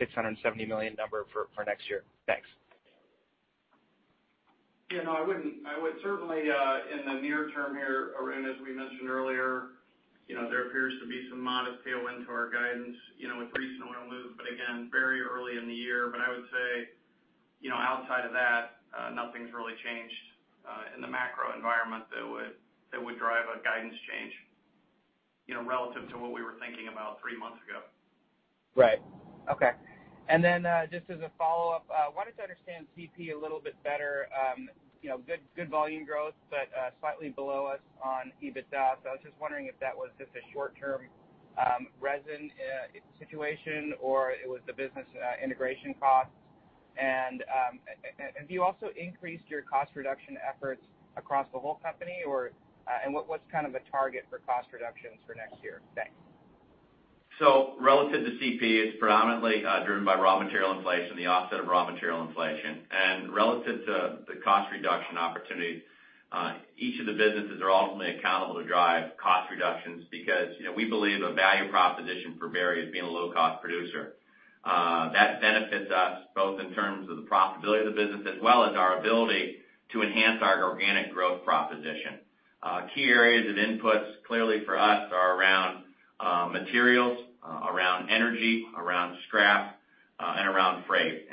$670 million number for next year. Thanks. I would certainly in the near term here, Arun, as we mentioned earlier, there appears to be some modest tailwind to our guidance with recent oil move, again, very early in the year. I would say outside of that, nothing's really changed in the macro environment that would drive a guidance change relative to what we were thinking about three months ago. Right. Okay. Just as a follow-up, wanted to understand CP a little bit better. Good volume growth, slightly below us on EBITDA. I was just wondering if that was just a short-term resin situation, or it was the business integration costs. Have you also increased your cost reduction efforts across the whole company, and what's the target for cost reductions for next year? Thanks. Relative to CP, it's predominantly driven by raw material inflation, the offset of raw material inflation. Relative to the cost reduction opportunity, each of the businesses are ultimately accountable to drive cost reductions because we believe a value proposition for Berry is being a low-cost producer. That benefits us both in terms of the profitability of the business as well as our ability to enhance our organic growth proposition. Key areas of inputs clearly for us are around materials, around energy, around scrap, and around freight.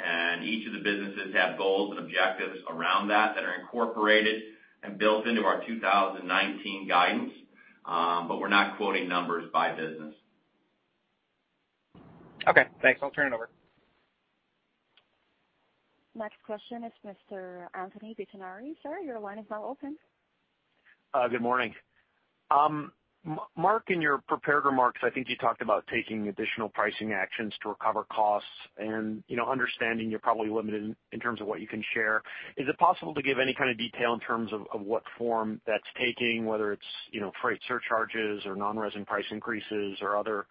Each of the businesses have goals and objectives around that that are incorporated and built into our 2019 guidance. We're not quoting numbers by business. Okay, thanks. I'll turn it over. Next question is Mr. Anthony Pettinari. Sir, your line is now open. Good morning. Mark, in your prepared remarks, I think you talked about taking additional pricing actions to recover costs and understanding you're probably limited in terms of what you can share. Is it possible to give any kind of detail in terms of what form that's taking, whether it's freight surcharges or non-resin price increases or other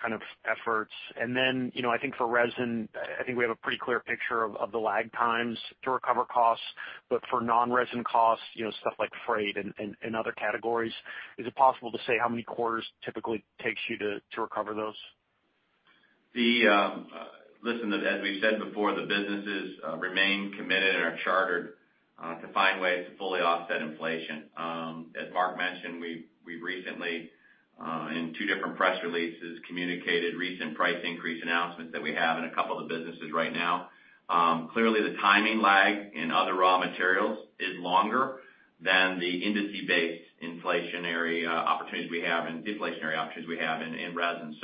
kind of efforts. Then, I think for resin, I think we have a pretty clear picture of the lag times to recover costs, but for non-resin costs, stuff like freight and other categories, is it possible to say how many quarters typically it takes you to recover those? Listen, as we've said before, the businesses remain committed and are chartered to find ways to fully offset inflation. As Mark mentioned, we've recently, in two different press releases, communicated recent price increase announcements that we have in a couple of businesses right now. Clearly, the timing lag in other raw materials is longer than the industry-based inflationary opportunities we have and deflationary options we have in resin.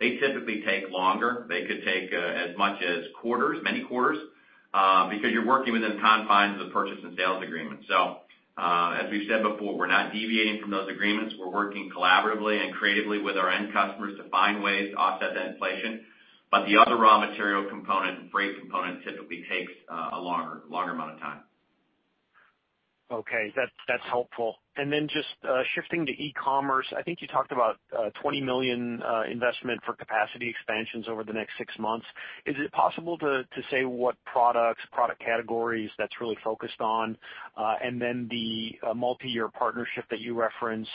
They typically take longer. They could take as much as quarters, many quarters, because you're working within the confines of the purchase and sales agreement. As we've said before, we're not deviating from those agreements. We're working collaboratively and creatively with our end customers to find ways to offset that inflation. The other raw material component, the freight component, typically takes a longer amount of time. Okay. That's helpful. Just shifting to e-commerce, I think you talked about $20 million investment for capacity expansions over the next six months. Is it possible to say what products, product categories that's really focused on? The multi-year partnership that you referenced,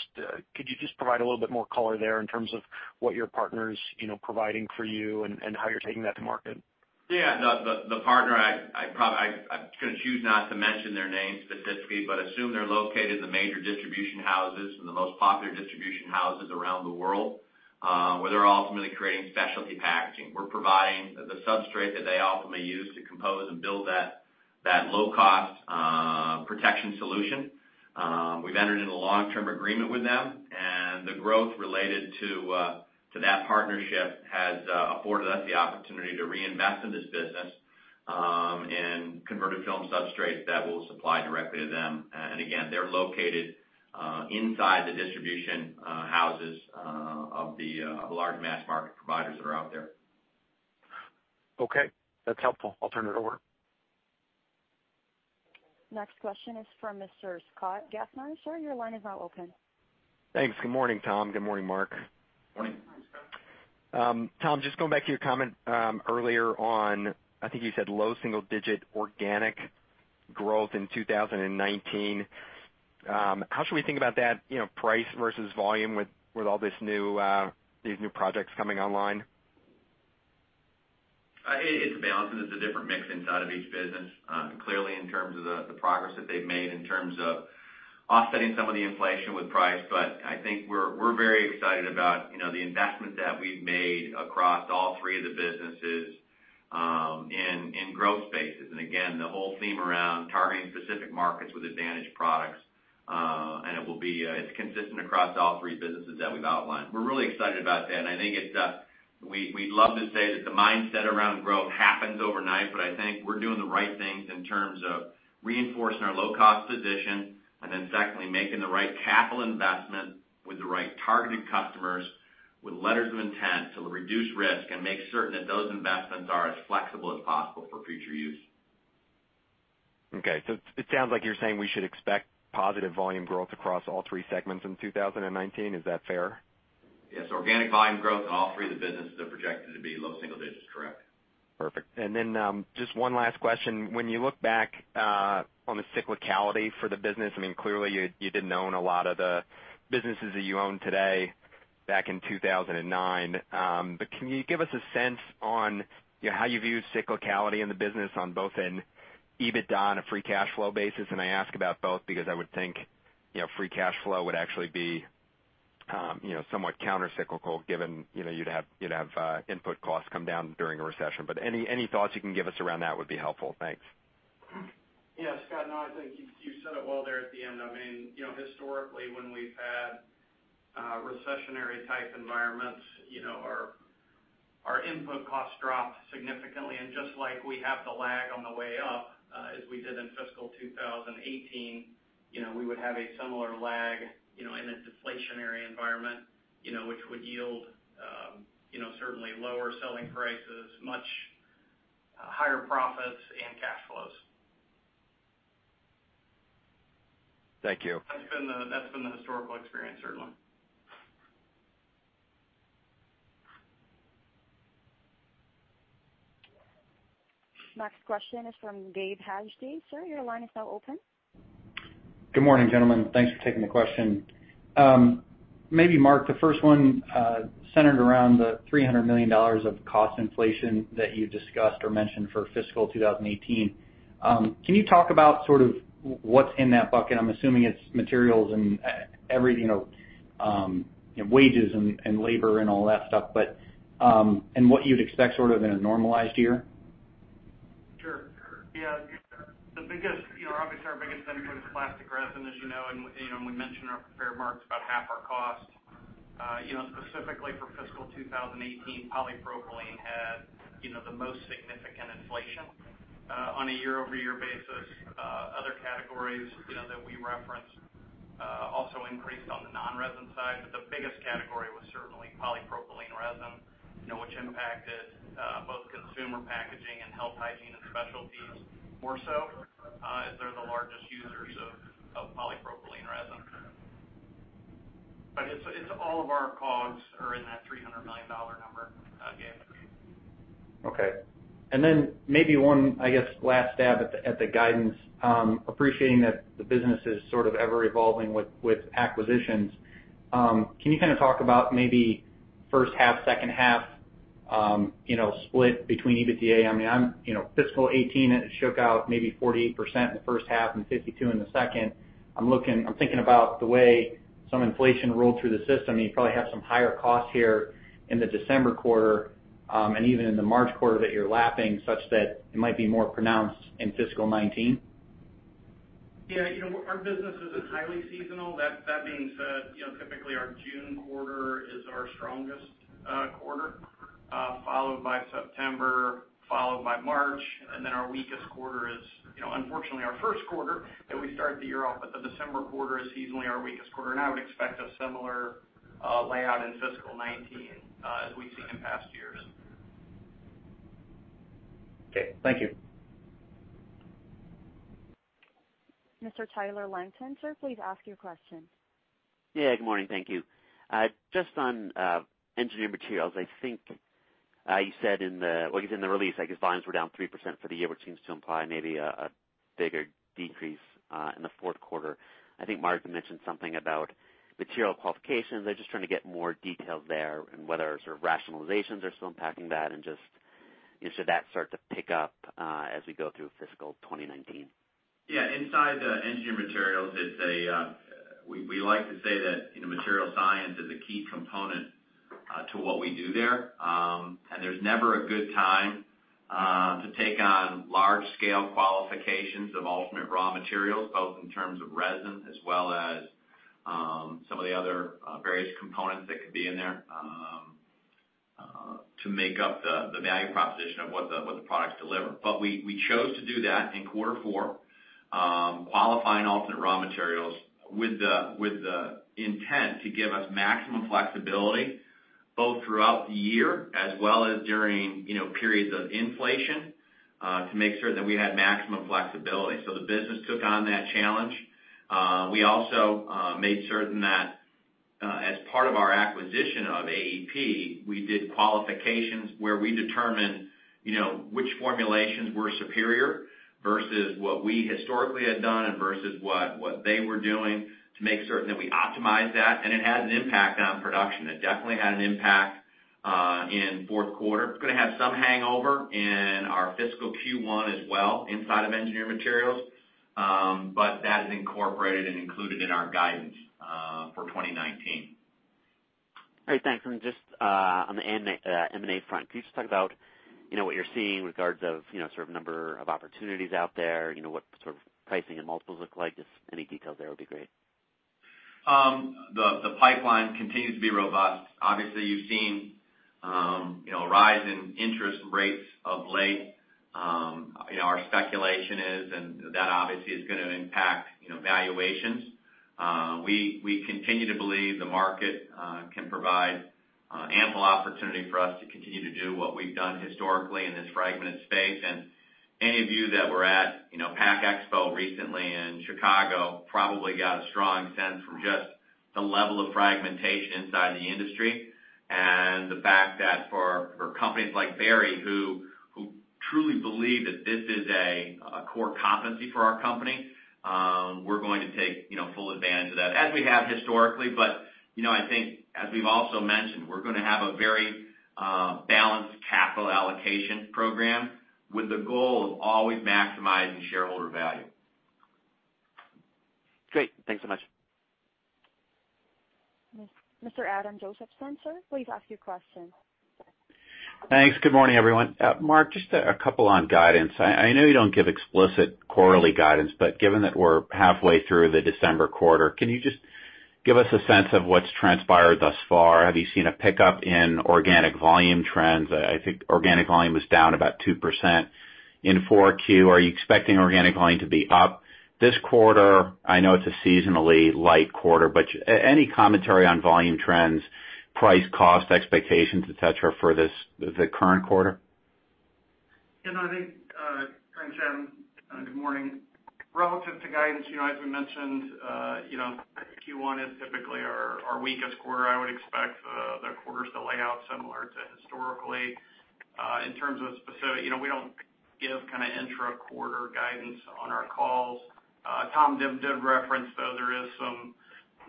could you just provide a little bit more color there in terms of what your partner's providing for you and how you're taking that to market? Yeah. The partner, I'm gonna choose not to mention their name specifically, but assume they're located in the major distribution houses and the most popular distribution houses around the world, where they're ultimately creating specialty packaging. We're providing the substrate that they ultimately use to compose and build that low-cost protection solution. We've entered into a long-term agreement with them, the growth related to that partnership has afforded us the opportunity to reinvest in this business, in converted film substrate that we'll supply directly to them. Again, they're located inside the distribution houses of the large mass market providers that are out there. Okay. That's helpful. I'll turn it over. Next question is from Mr. Scott Gaffner. Sir, your line is now open. Thanks. Good morning, Tom. Good morning, Mark. Morning. Tom, just going back to your comment earlier on, I think you said low single digit organic growth in 2019. How should we think about that, price versus volume with all these new projects coming online? It's a balance and it's a different mix inside of each business. Clearly, in terms of the progress that they've made in terms of offsetting some of the inflation with price. I think we're very excited about the investments that we've made across all three of the businesses in growth spaces. Again, the whole theme around targeting specific markets with advantage products. It's consistent across all three businesses that we've outlined. We're really excited about that, and I think we'd love to say that the mindset around growth happens overnight, but I think we're doing the right things in terms of reinforcing our low cost position, then secondly, making the right capital investment with the right targeted customers with letters of intent to reduce risk and make certain that those investments are as flexible as possible for future use. Okay. It sounds like you're saying we should expect positive volume growth across all three segments in 2019. Is that fair? Yes. Organic volume growth in all three of the businesses are projected to be low single digits, correct. Perfect. Then, just one last question. When you look back on the cyclicality for the business, clearly you didn't own a lot of the businesses that you own today back in 2009. But can you give us a sense on how you view cyclicality in the business on both an EBITDA and a free cash flow basis? I ask about both because I would think free cash flow would actually be somewhat countercyclical given you'd have input costs come down during a recession. But any thoughts you can give us around that would be helpful. Thanks. Yeah, Scott, no, I think you said it well there at the end. Historically, when we've had recessionary type environments, our input costs drop significantly. Just like we have the lag on the way up, as we did in fiscal 2018, we would have a similar lag in a deflationary environment, which would yield certainly lower selling prices, much higher profits, and cash flows. Thank you. That's been the historical experience, certainly. Next question is from Gabe Hajde. Sir, your line is now open. Good morning, gentlemen. Thanks for taking the question. Maybe Mark, the first one centered around the $300 million of cost inflation that you discussed or mentioned for fiscal 2018. Can you talk about sort of what's in that bucket? I'm assuming it's materials and wages and labor and all that stuff, and what you'd expect sort of in a normalized year? Sure. Obviously our biggest input is plastic resin, as you know, and we mentioned in our prepared remarks, about half our cost. Specifically for fiscal 2018, polypropylene had the most significant inflation on a year-over-year basis. Other categories that we referenced also increased on the non-resin side, but the biggest category was certainly polypropylene resin, which impacted both Consumer Packaging and Health, Hygiene, and Specialties more so, as they're the largest users of polypropylene resin. It's all of our COGS are in that $300 million number, Gabe. Okay. Then maybe one, I guess, last stab at the guidance. Appreciating that the business is sort of ever-evolving with acquisitions, can you talk about maybe first half, second half split between EBITDA? Fiscal 2018, it shook out maybe 48% in the first half and 52% in the second. I'm thinking about the way some inflation rolled through the system, you probably have some higher costs here in the December quarter, and even in the March quarter that you're lapping, such that it might be more pronounced in fiscal 2019. Yeah. Our business isn't highly seasonal. That being said, typically our June quarter is our strongest quarter, followed by September, followed by March. Then our weakest quarter is, unfortunately, our first quarter, that we start the year off, but the December quarter is seasonally our weakest quarter. I would expect a similar layout in fiscal 2019 as we've seen in past years. Okay. Thank you. Mr. Tyler Langton, sir. Please ask your question. Yeah, good morning. Thank you. Just on Engineered Materials, I think you said in the release, I guess volumes were down 3% for the year, which seems to imply maybe a bigger decrease in the fourth quarter. I think Mark mentioned something about material qualifications. I'm just trying to get more details there, and whether sort of rationalizations are still impacting that and should that start to pick up as we go through fiscal 2019? Yeah. Inside the Engineered Materials, we like to say that material science is a key component to what we do there. There's never a good time to take on large scale qualifications of alternate raw materials, both in terms of resin as well as some of the other various components that could be in there to make up the value proposition of what the products deliver. We chose to do that in quarter four, qualifying alternate raw materials with the intent to give us maximum flexibility both throughout the year as well as during periods of inflation, to make certain that we had maximum flexibility. The business took on that challenge. We also made certain that as part of our acquisition of AEP, we did qualifications where we determined which formulations were superior versus what we historically had done and versus what they were doing to make certain that we optimized that, and it had an impact on production. It definitely had an impact in fourth quarter. It's going to have some hangover in our fiscal Q1 as well inside of Engineered Materials, that is incorporated and included in our guidance for 2019. All right. Thanks. Just on the M&A front, can you just talk about what you're seeing in regards of sort of number of opportunities out there, what sort of pricing and multiples look like? Just any details there would be great. The pipeline continues to be robust. Obviously, you've seen a rise in interest rates of late. Our speculation is that obviously is going to impact valuations. We continue to believe the market can provide ample opportunity for us to continue to do what we've done historically in this fragmented space. Any of you that were at PACK EXPO recently in Chicago probably got a strong sense from just the level of fragmentation inside the industry, and the fact that for companies like Berry, who truly believe that this is a core competency for our company, we're going to take full advantage of that, as we have historically. I think as we've also mentioned, we're going to have a very balanced capital allocation program with the goal of always maximizing shareholder value. Great. Thanks so much. Mr. Adam Josephson, sir. Please ask your question. Thanks. Good morning, everyone. Mark, just a couple on guidance. I know you don't give explicit quarterly guidance, but given that we're halfway through the December quarter, can you just give us a sense of what's transpired thus far? Have you seen a pickup in organic volume trends? I think organic volume was down about 2% in 4Q. Are you expecting organic volume to be up this quarter? I know it's a seasonally light quarter, but any commentary on volume trends, price cost expectations, et cetera, for the current quarter? Yeah, no, thanks Adam, and good morning. Relative to guidance, as we mentioned, Q1 is typically our weakest quarter. I would expect the quarters to lay out similar to historically. In terms of specific, we don't give kind of intra-quarter guidance on our calls. Tom did reference, though, there is some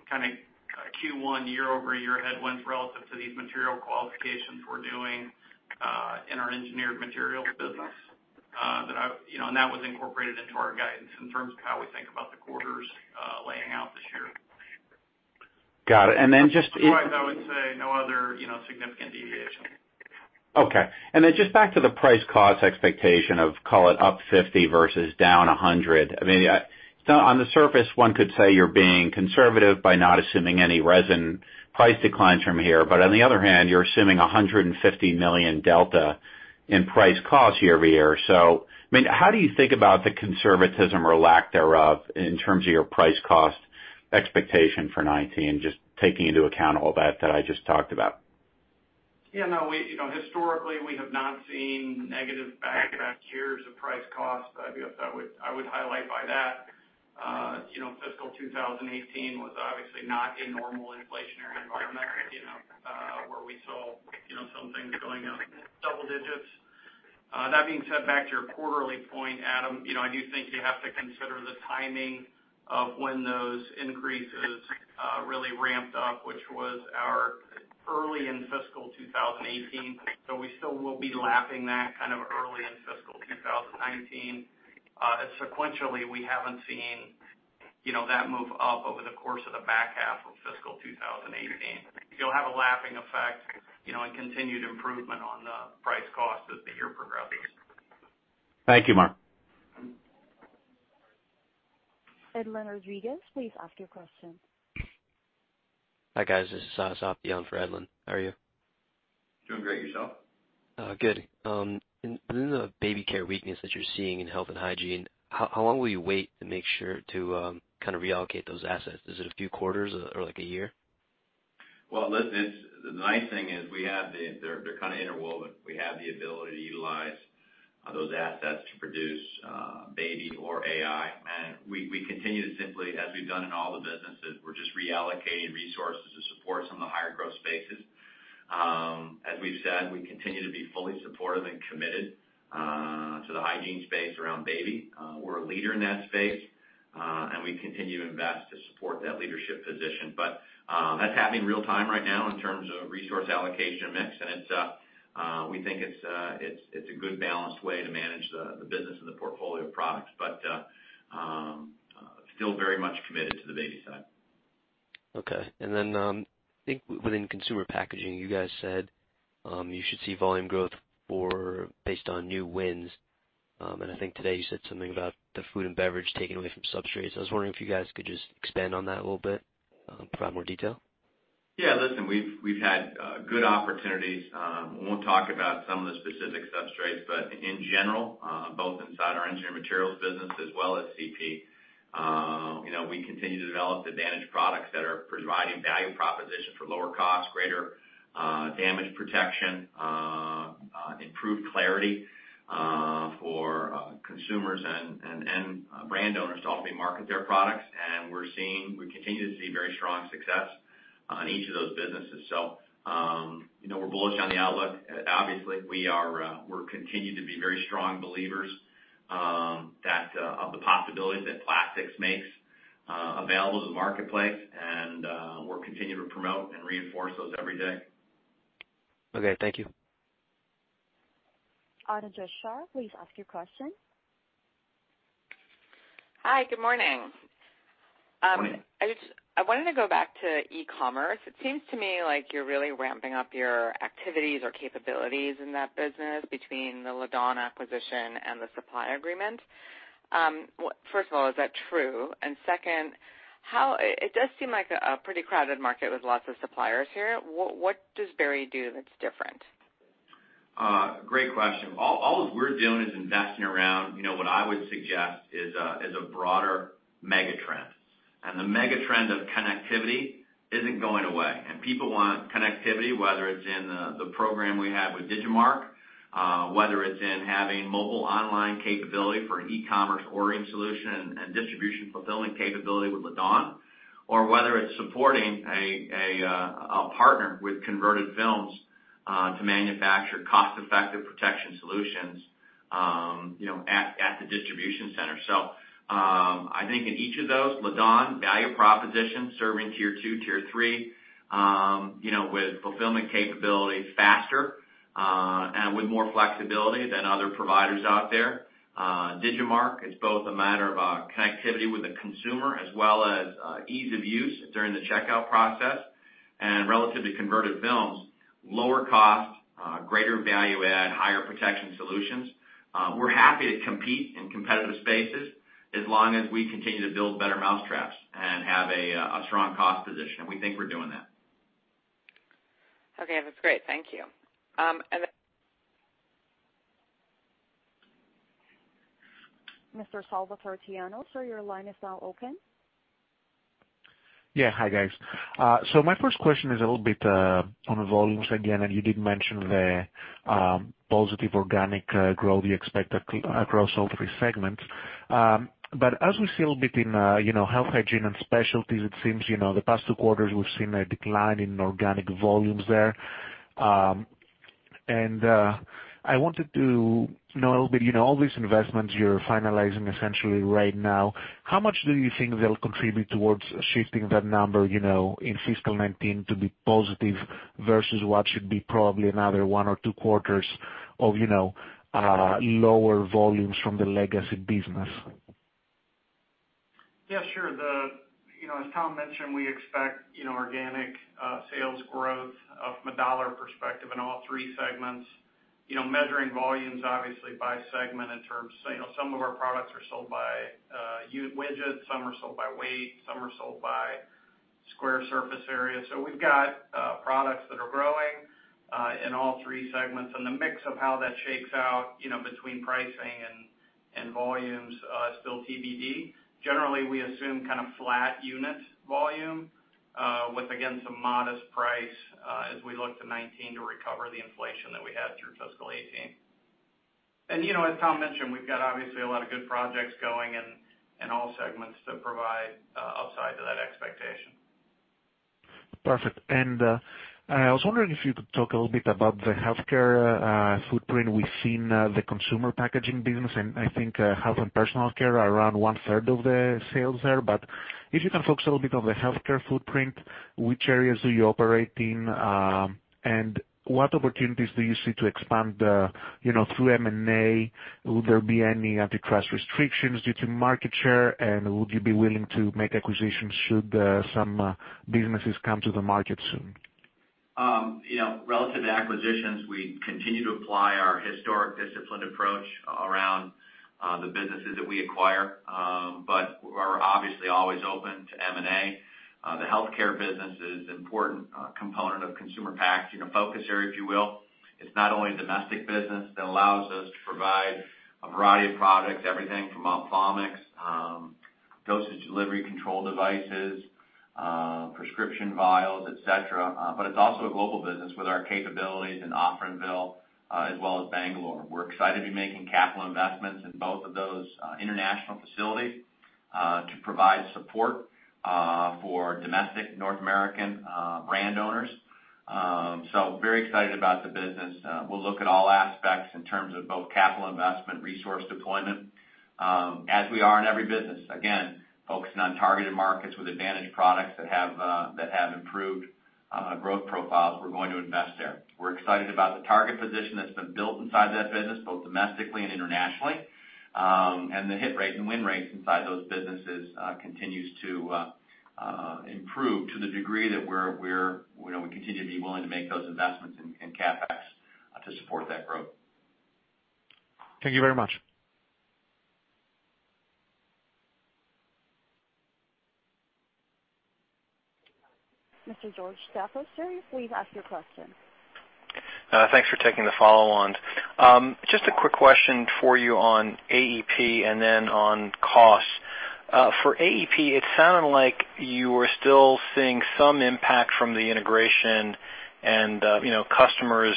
kind of Q1 year-over-year headwinds relative to these material qualifications we're doing in our Engineered Materials business. That was incorporated into our guidance in terms of how we think about the quarters laying out this year. Got it. Otherwise, I would say no other significant deviation. Okay. Just back to the price cost expectation of, call it up $50 million versus down $100 million. I mean, on the surface, one could say you're being conservative by not assuming any resin price declines from here. On the other hand, you're assuming a $150 million delta in price cost year-over-year. I mean, how do you think about the conservatism or lack thereof in terms of your price cost expectation for 2019, just taking into account all that that I just talked about? Yeah, no. Historically, we have not seen negative back-to-back years of price cost. I guess I would highlight by that, fiscal 2018 was obviously not a normal inflationary environment, where we saw some things going up double digits. That being said, back to your quarterly point, Adam, I do think you have to consider the timing of when those increases really ramped up, which was early in fiscal 2018. We still will be lapping that early in fiscal 2019. Sequentially, we haven't seen that move up over the course of the back half of fiscal 2018. You'll have a lapping effect, and continued improvement on the price cost as the year progresses. Thank you, Mark. Edlain Rodriguez, please ask your question. Hi, guys. This is Sasank Dion for Edlain. How are you? Doing great. Yourself? Good. In the baby care weakness that you're seeing in Health and Hygiene, how long will you wait to make sure to reallocate those assets? Is it a few quarters or like a year? Well, listen, the nice thing is they're kind of interwoven. We have the ability to utilize those assets to produce baby or AI. We continue to simply, as we've done in all the businesses, we're just reallocating resources to support some of the higher growth spaces. As we've said, we continue to be fully supportive and committed to the hygiene space around baby. We're a leader in that space, and we continue to invest to support that leadership position. That's happening real time right now in terms of resource allocation mix, and we think it's a good balanced way to manage the business and the portfolio of products. Still very much committed to the baby side. Okay. Then, I think within Consumer Packaging, you guys said, you should see volume growth based on new wins. I think today you said something about the food and beverage taking away from substrates. I was wondering if you guys could just expand on that a little bit, provide more detail. Yeah. Listen, we've had good opportunities. Won't talk about some of the specific substrates, but in general, both inside our Engineered Materials business as well as CP. We continue to develop advantage products that are providing value propositions for lower cost, greater damage protection, improved clarity, for consumers and brand owners to ultimately market their products. We continue to see very strong success on each of those businesses. We're bullish on the outlook. Obviously we continue to be very strong believers of the possibilities that plastics makes available to the marketplace. We'll continue to promote and reinforce those every day. Okay. Thank you. Anojja Shah, please ask your question. Hi. Good morning. Morning. I wanted to go back to e-commerce. It seems to me like you're really ramping up your activities or capabilities in that business between the Laddawn acquisition and the supply agreement. First of all, is that true? Second, it does seem like a pretty crowded market with lots of suppliers here. What does Berry do that's different? Great question. All we're doing is investing around what I would suggest is a broader mega trend. The mega trend of connectivity isn't going away. People want connectivity, whether it's in the program we have with Digimarc, whether it's in having mobile online capability for e-commerce ordering solution and distribution fulfilling capability with Laddawn, or whether it's supporting a partner with converted films, to manufacture cost-effective protection solutions at the distribution center. I think in each of those, Laddawn, value proposition, serving Tier 2, Tier 3, with fulfillment capabilities faster, and with more flexibility than other providers out there. Digimarc is both a matter of connectivity with the consumer as well as ease of use during the checkout process. Relative to converted films, lower cost, greater value add, higher protection solutions. We're happy to compete in competitive spaces as long as we continue to build better mousetraps and have a strong cost position. We think we're doing that. Okay. That's great. Thank you. Mr. Salvatore Tiano, sir, your line is now open. Yeah. Hi, guys. My first question is a little bit on volumes again, and you did mention the positive organic growth you expect across all three segments. As we see a bit in Health, Hygiene, and Specialties, it seems the past two quarters we've seen a decline in organic volumes there. I wanted to know a little bit, all these investments you're finalizing essentially right now, how much do you think they'll contribute towards shifting that number in fiscal 2019 to be positive versus what should be probably another one or two quarters of lower volumes from the legacy business? Yeah, sure. As Tom mentioned, we expect organic sales growth from a dollar perspective in all three segments. Measuring volumes obviously by segment in terms, some of our products are sold by unit widgets, some are sold by weight, some are sold by square surface area. We've got products that are growing in all three segments and mix of how that shakes out between pricing and volumes are still TBD. Generally, we assume flat unit volume, with, again, some modest price as we look to 2019 to recover the inflation that we had through fiscal 2018. As Tom mentioned, we've got obviously a lot of good projects going in all segments that provide upside to that expectation. Perfect. I was wondering if you could talk a little bit about the healthcare footprint. We've seen the Consumer Packaging business, and I think health and personal care are around 1/3 of the sales there. If you can focus a little bit on the healthcare footprint, which areas are you operating, and what opportunities do you see to expand through M&A? Will there be any antitrust restrictions due to market share? Would you be willing to make acquisitions should some businesses come to the market soon? Relative to acquisitions, we continue to apply our historic disciplined approach around the businesses that we acquire. We're obviously always open to M&A. The healthcare business is an important component of Consumer Packaging, a focus area, if you will. It's not only a domestic business that allows us to provide a variety of products, everything from ophthalmics, dosage delivery control devices, prescription vials, et cetera, but it's also a global business with our capabilities in Offranville as well as Bangalore. We're excited to be making capital investments in both of those international facilities to provide support for domestic North American brand owners. Very excited about the business. We'll look at all aspects in terms of both capital investment, resource deployment, as we are in every business. Again, focusing on targeted markets with advantage products that have improved growth profiles. We're going to invest there. We're excited about the target position that's been built inside that business, both domestically and internationally. The hit rate and win rates inside those businesses continues to improve to the degree that we continue to be willing to make those investments in CapEx to support that growth. Thank you very much. Mr. George Staphos, please ask your question. Thanks for taking the follow-on. Just a quick question for you on AEP and then on costs. For AEP, it sounded like you were still seeing some impact from the integration and customers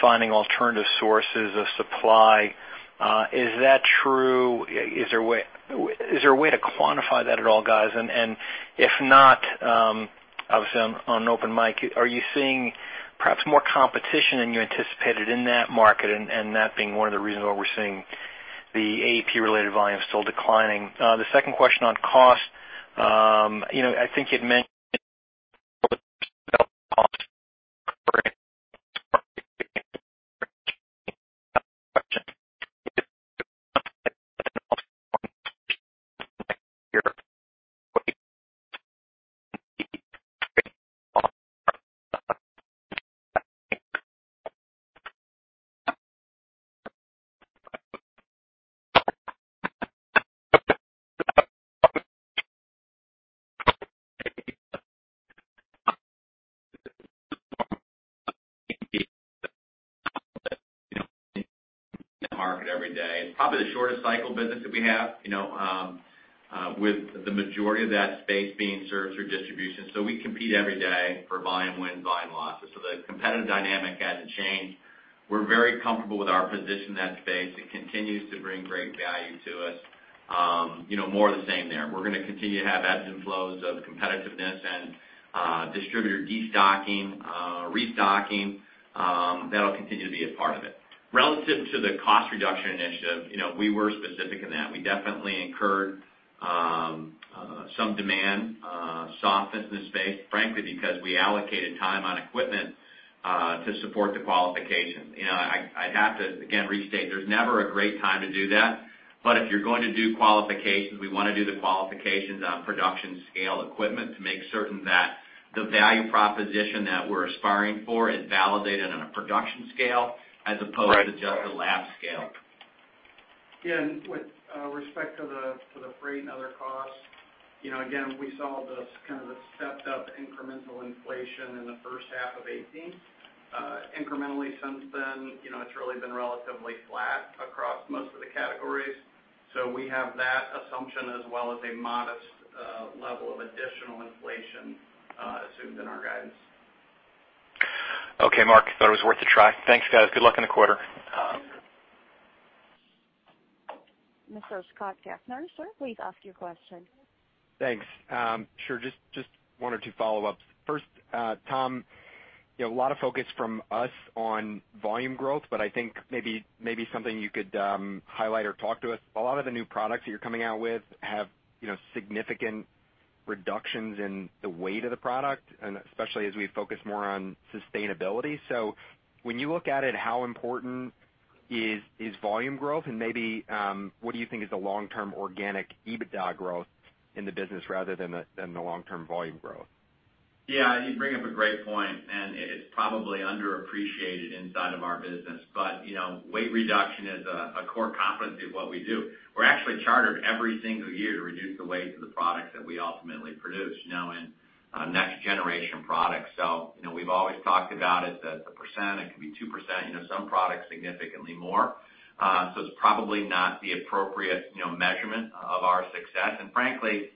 finding alternative sources of supply. Is that true? Is there a way to quantify that at all, guys? If not, obviously I'm on an open mic, are you seeing perhaps more competition than you anticipated in that market and that being one of the reasons why we're seeing the AEP-related volume still declining? The second question on cost. I think you'd mentioned– –in the market every day, and probably the shortest cycle business that we have with the majority of that space being served through distribution. We compete every day for volume wins, volume losses. The competitive dynamic hasn't changed. We're very comfortable with our position in that space. It continues to bring great value to us. More of the same there. We're gonna continue to have ebbs and flows of competitiveness and distributor destocking, restocking. That'll continue to be a part of it. Relative to the cost reduction initiative, we were specific in that. We definitely incurred some demand softness in the space, frankly, because we allocated time on equipment to support the qualification. I'd have to, again, restate, there's never a great time to do that, but if you're going to do qualifications, we want to do the qualifications on production scale equipment to make certain that the value proposition that we're aspiring for is validated on a production scale as opposed to just a lab scale. With respect to the freight and other costs, again, we saw the kind of the stepped-up incremental inflation in the first half of 2018. Incrementally since then, it's really been relatively flat across most of the categories. We have that assumption as well as a modest level of additional inflation assumed in our guidance. Okay, Mark. Thought it was worth a try. Thanks, guys. Good luck in the quarter. Mr. Scott Gaffner, sir, please ask your question. Thanks. Sure. Just one or two follow-ups. First, Tom, a lot of focus from us on volume growth, but I think maybe something you could highlight or talk to us. A lot of the new products that you're coming out with have significant reductions in the weight of the product, and especially as we focus more on sustainability. When you look at it, how important is volume growth and maybe, what do you think is the long-term organic EBITDA growth in the business rather than the long-term volume growth? Yeah, you bring up a great point. It's probably underappreciated inside of our business. Weight reduction is a core competency of what we do. We're actually chartered every single year to reduce the waste of the products that we ultimately produce in next generation products. We've always talked about it that the percent, it could be 2%, some products significantly more. It's probably not the appropriate measurement of our success. Frankly,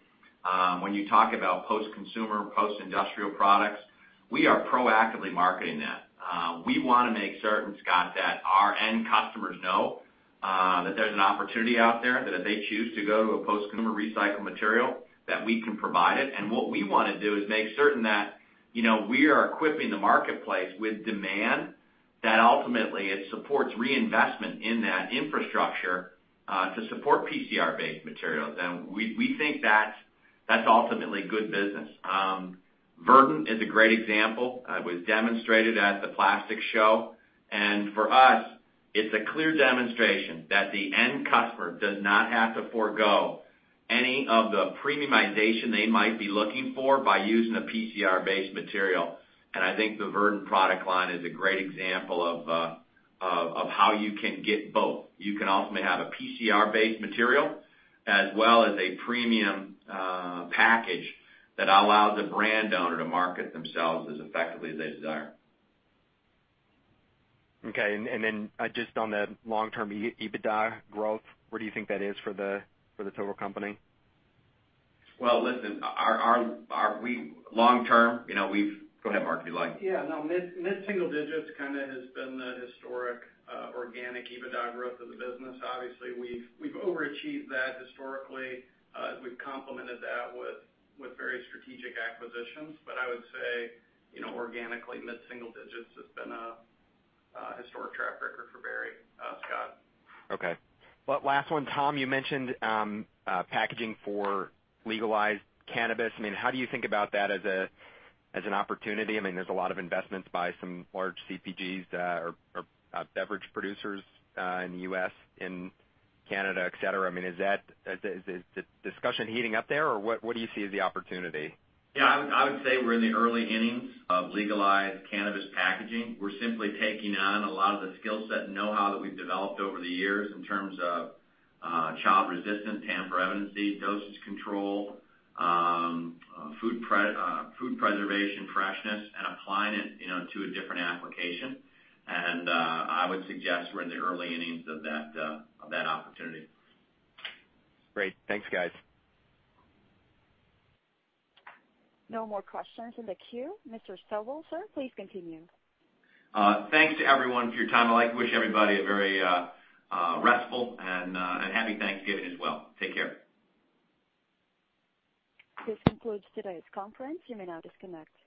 when you talk about post-consumer, post-industrial products, we are proactively marketing that. We want to make certain, Scott, that our end customers know that there's an opportunity out there that if they choose to go to a post-consumer recycled material, that we can provide it. What we want to do is make certain that we are equipping the marketplace with demand, that ultimately it supports reinvestment in that infrastructure, to support PCR-based materials. We think that's ultimately good business. Verdant is a great example. It was demonstrated at the plastic show, and for us, it's a clear demonstration that the end customer does not have to forego any of the premiumization they might be looking for by using a PCR-based material. I think the Verdant product line is a great example of how you can get both. You can ultimately have a PCR-based material as well as a premium package that allows the brand owner to market themselves as effectively as they desire. Okay. Then just on the long-term EBITDA growth, where do you think that is for the total company? Well, listen, long term, Go ahead, Mark, if you'd like. Yeah. Mid-single digits has been the historic organic EBITDA growth of the business. Obviously, we've overachieved that historically. We've complemented that with very strategic acquisitions. I would say, organically, mid-single digits has been a historic track record for Berry, Scott. Last one, Tom, you mentioned packaging for legalized cannabis. How do you think about that as an opportunity? There's a lot of investments by some large CPGs that are beverage producers in the U.S., in Canada, et cetera. Is the discussion heating up there, or what do you see as the opportunity? I would say we're in the early innings of legalized cannabis packaging. We're simply taking on a lot of the skill set and know-how that we've developed over the years in terms of child resistant tamper evident, dosage control, food preservation freshness, and applying it to a different application. I would suggest we're in the early innings of that opportunity. Great. Thanks, guys. No more questions in the queue. Mr. Salmon, sir, please continue. Thanks to everyone for your time. I'd like to wish everybody a very restful and happy Thanksgiving as well. Take care. This concludes today's conference. You may now disconnect.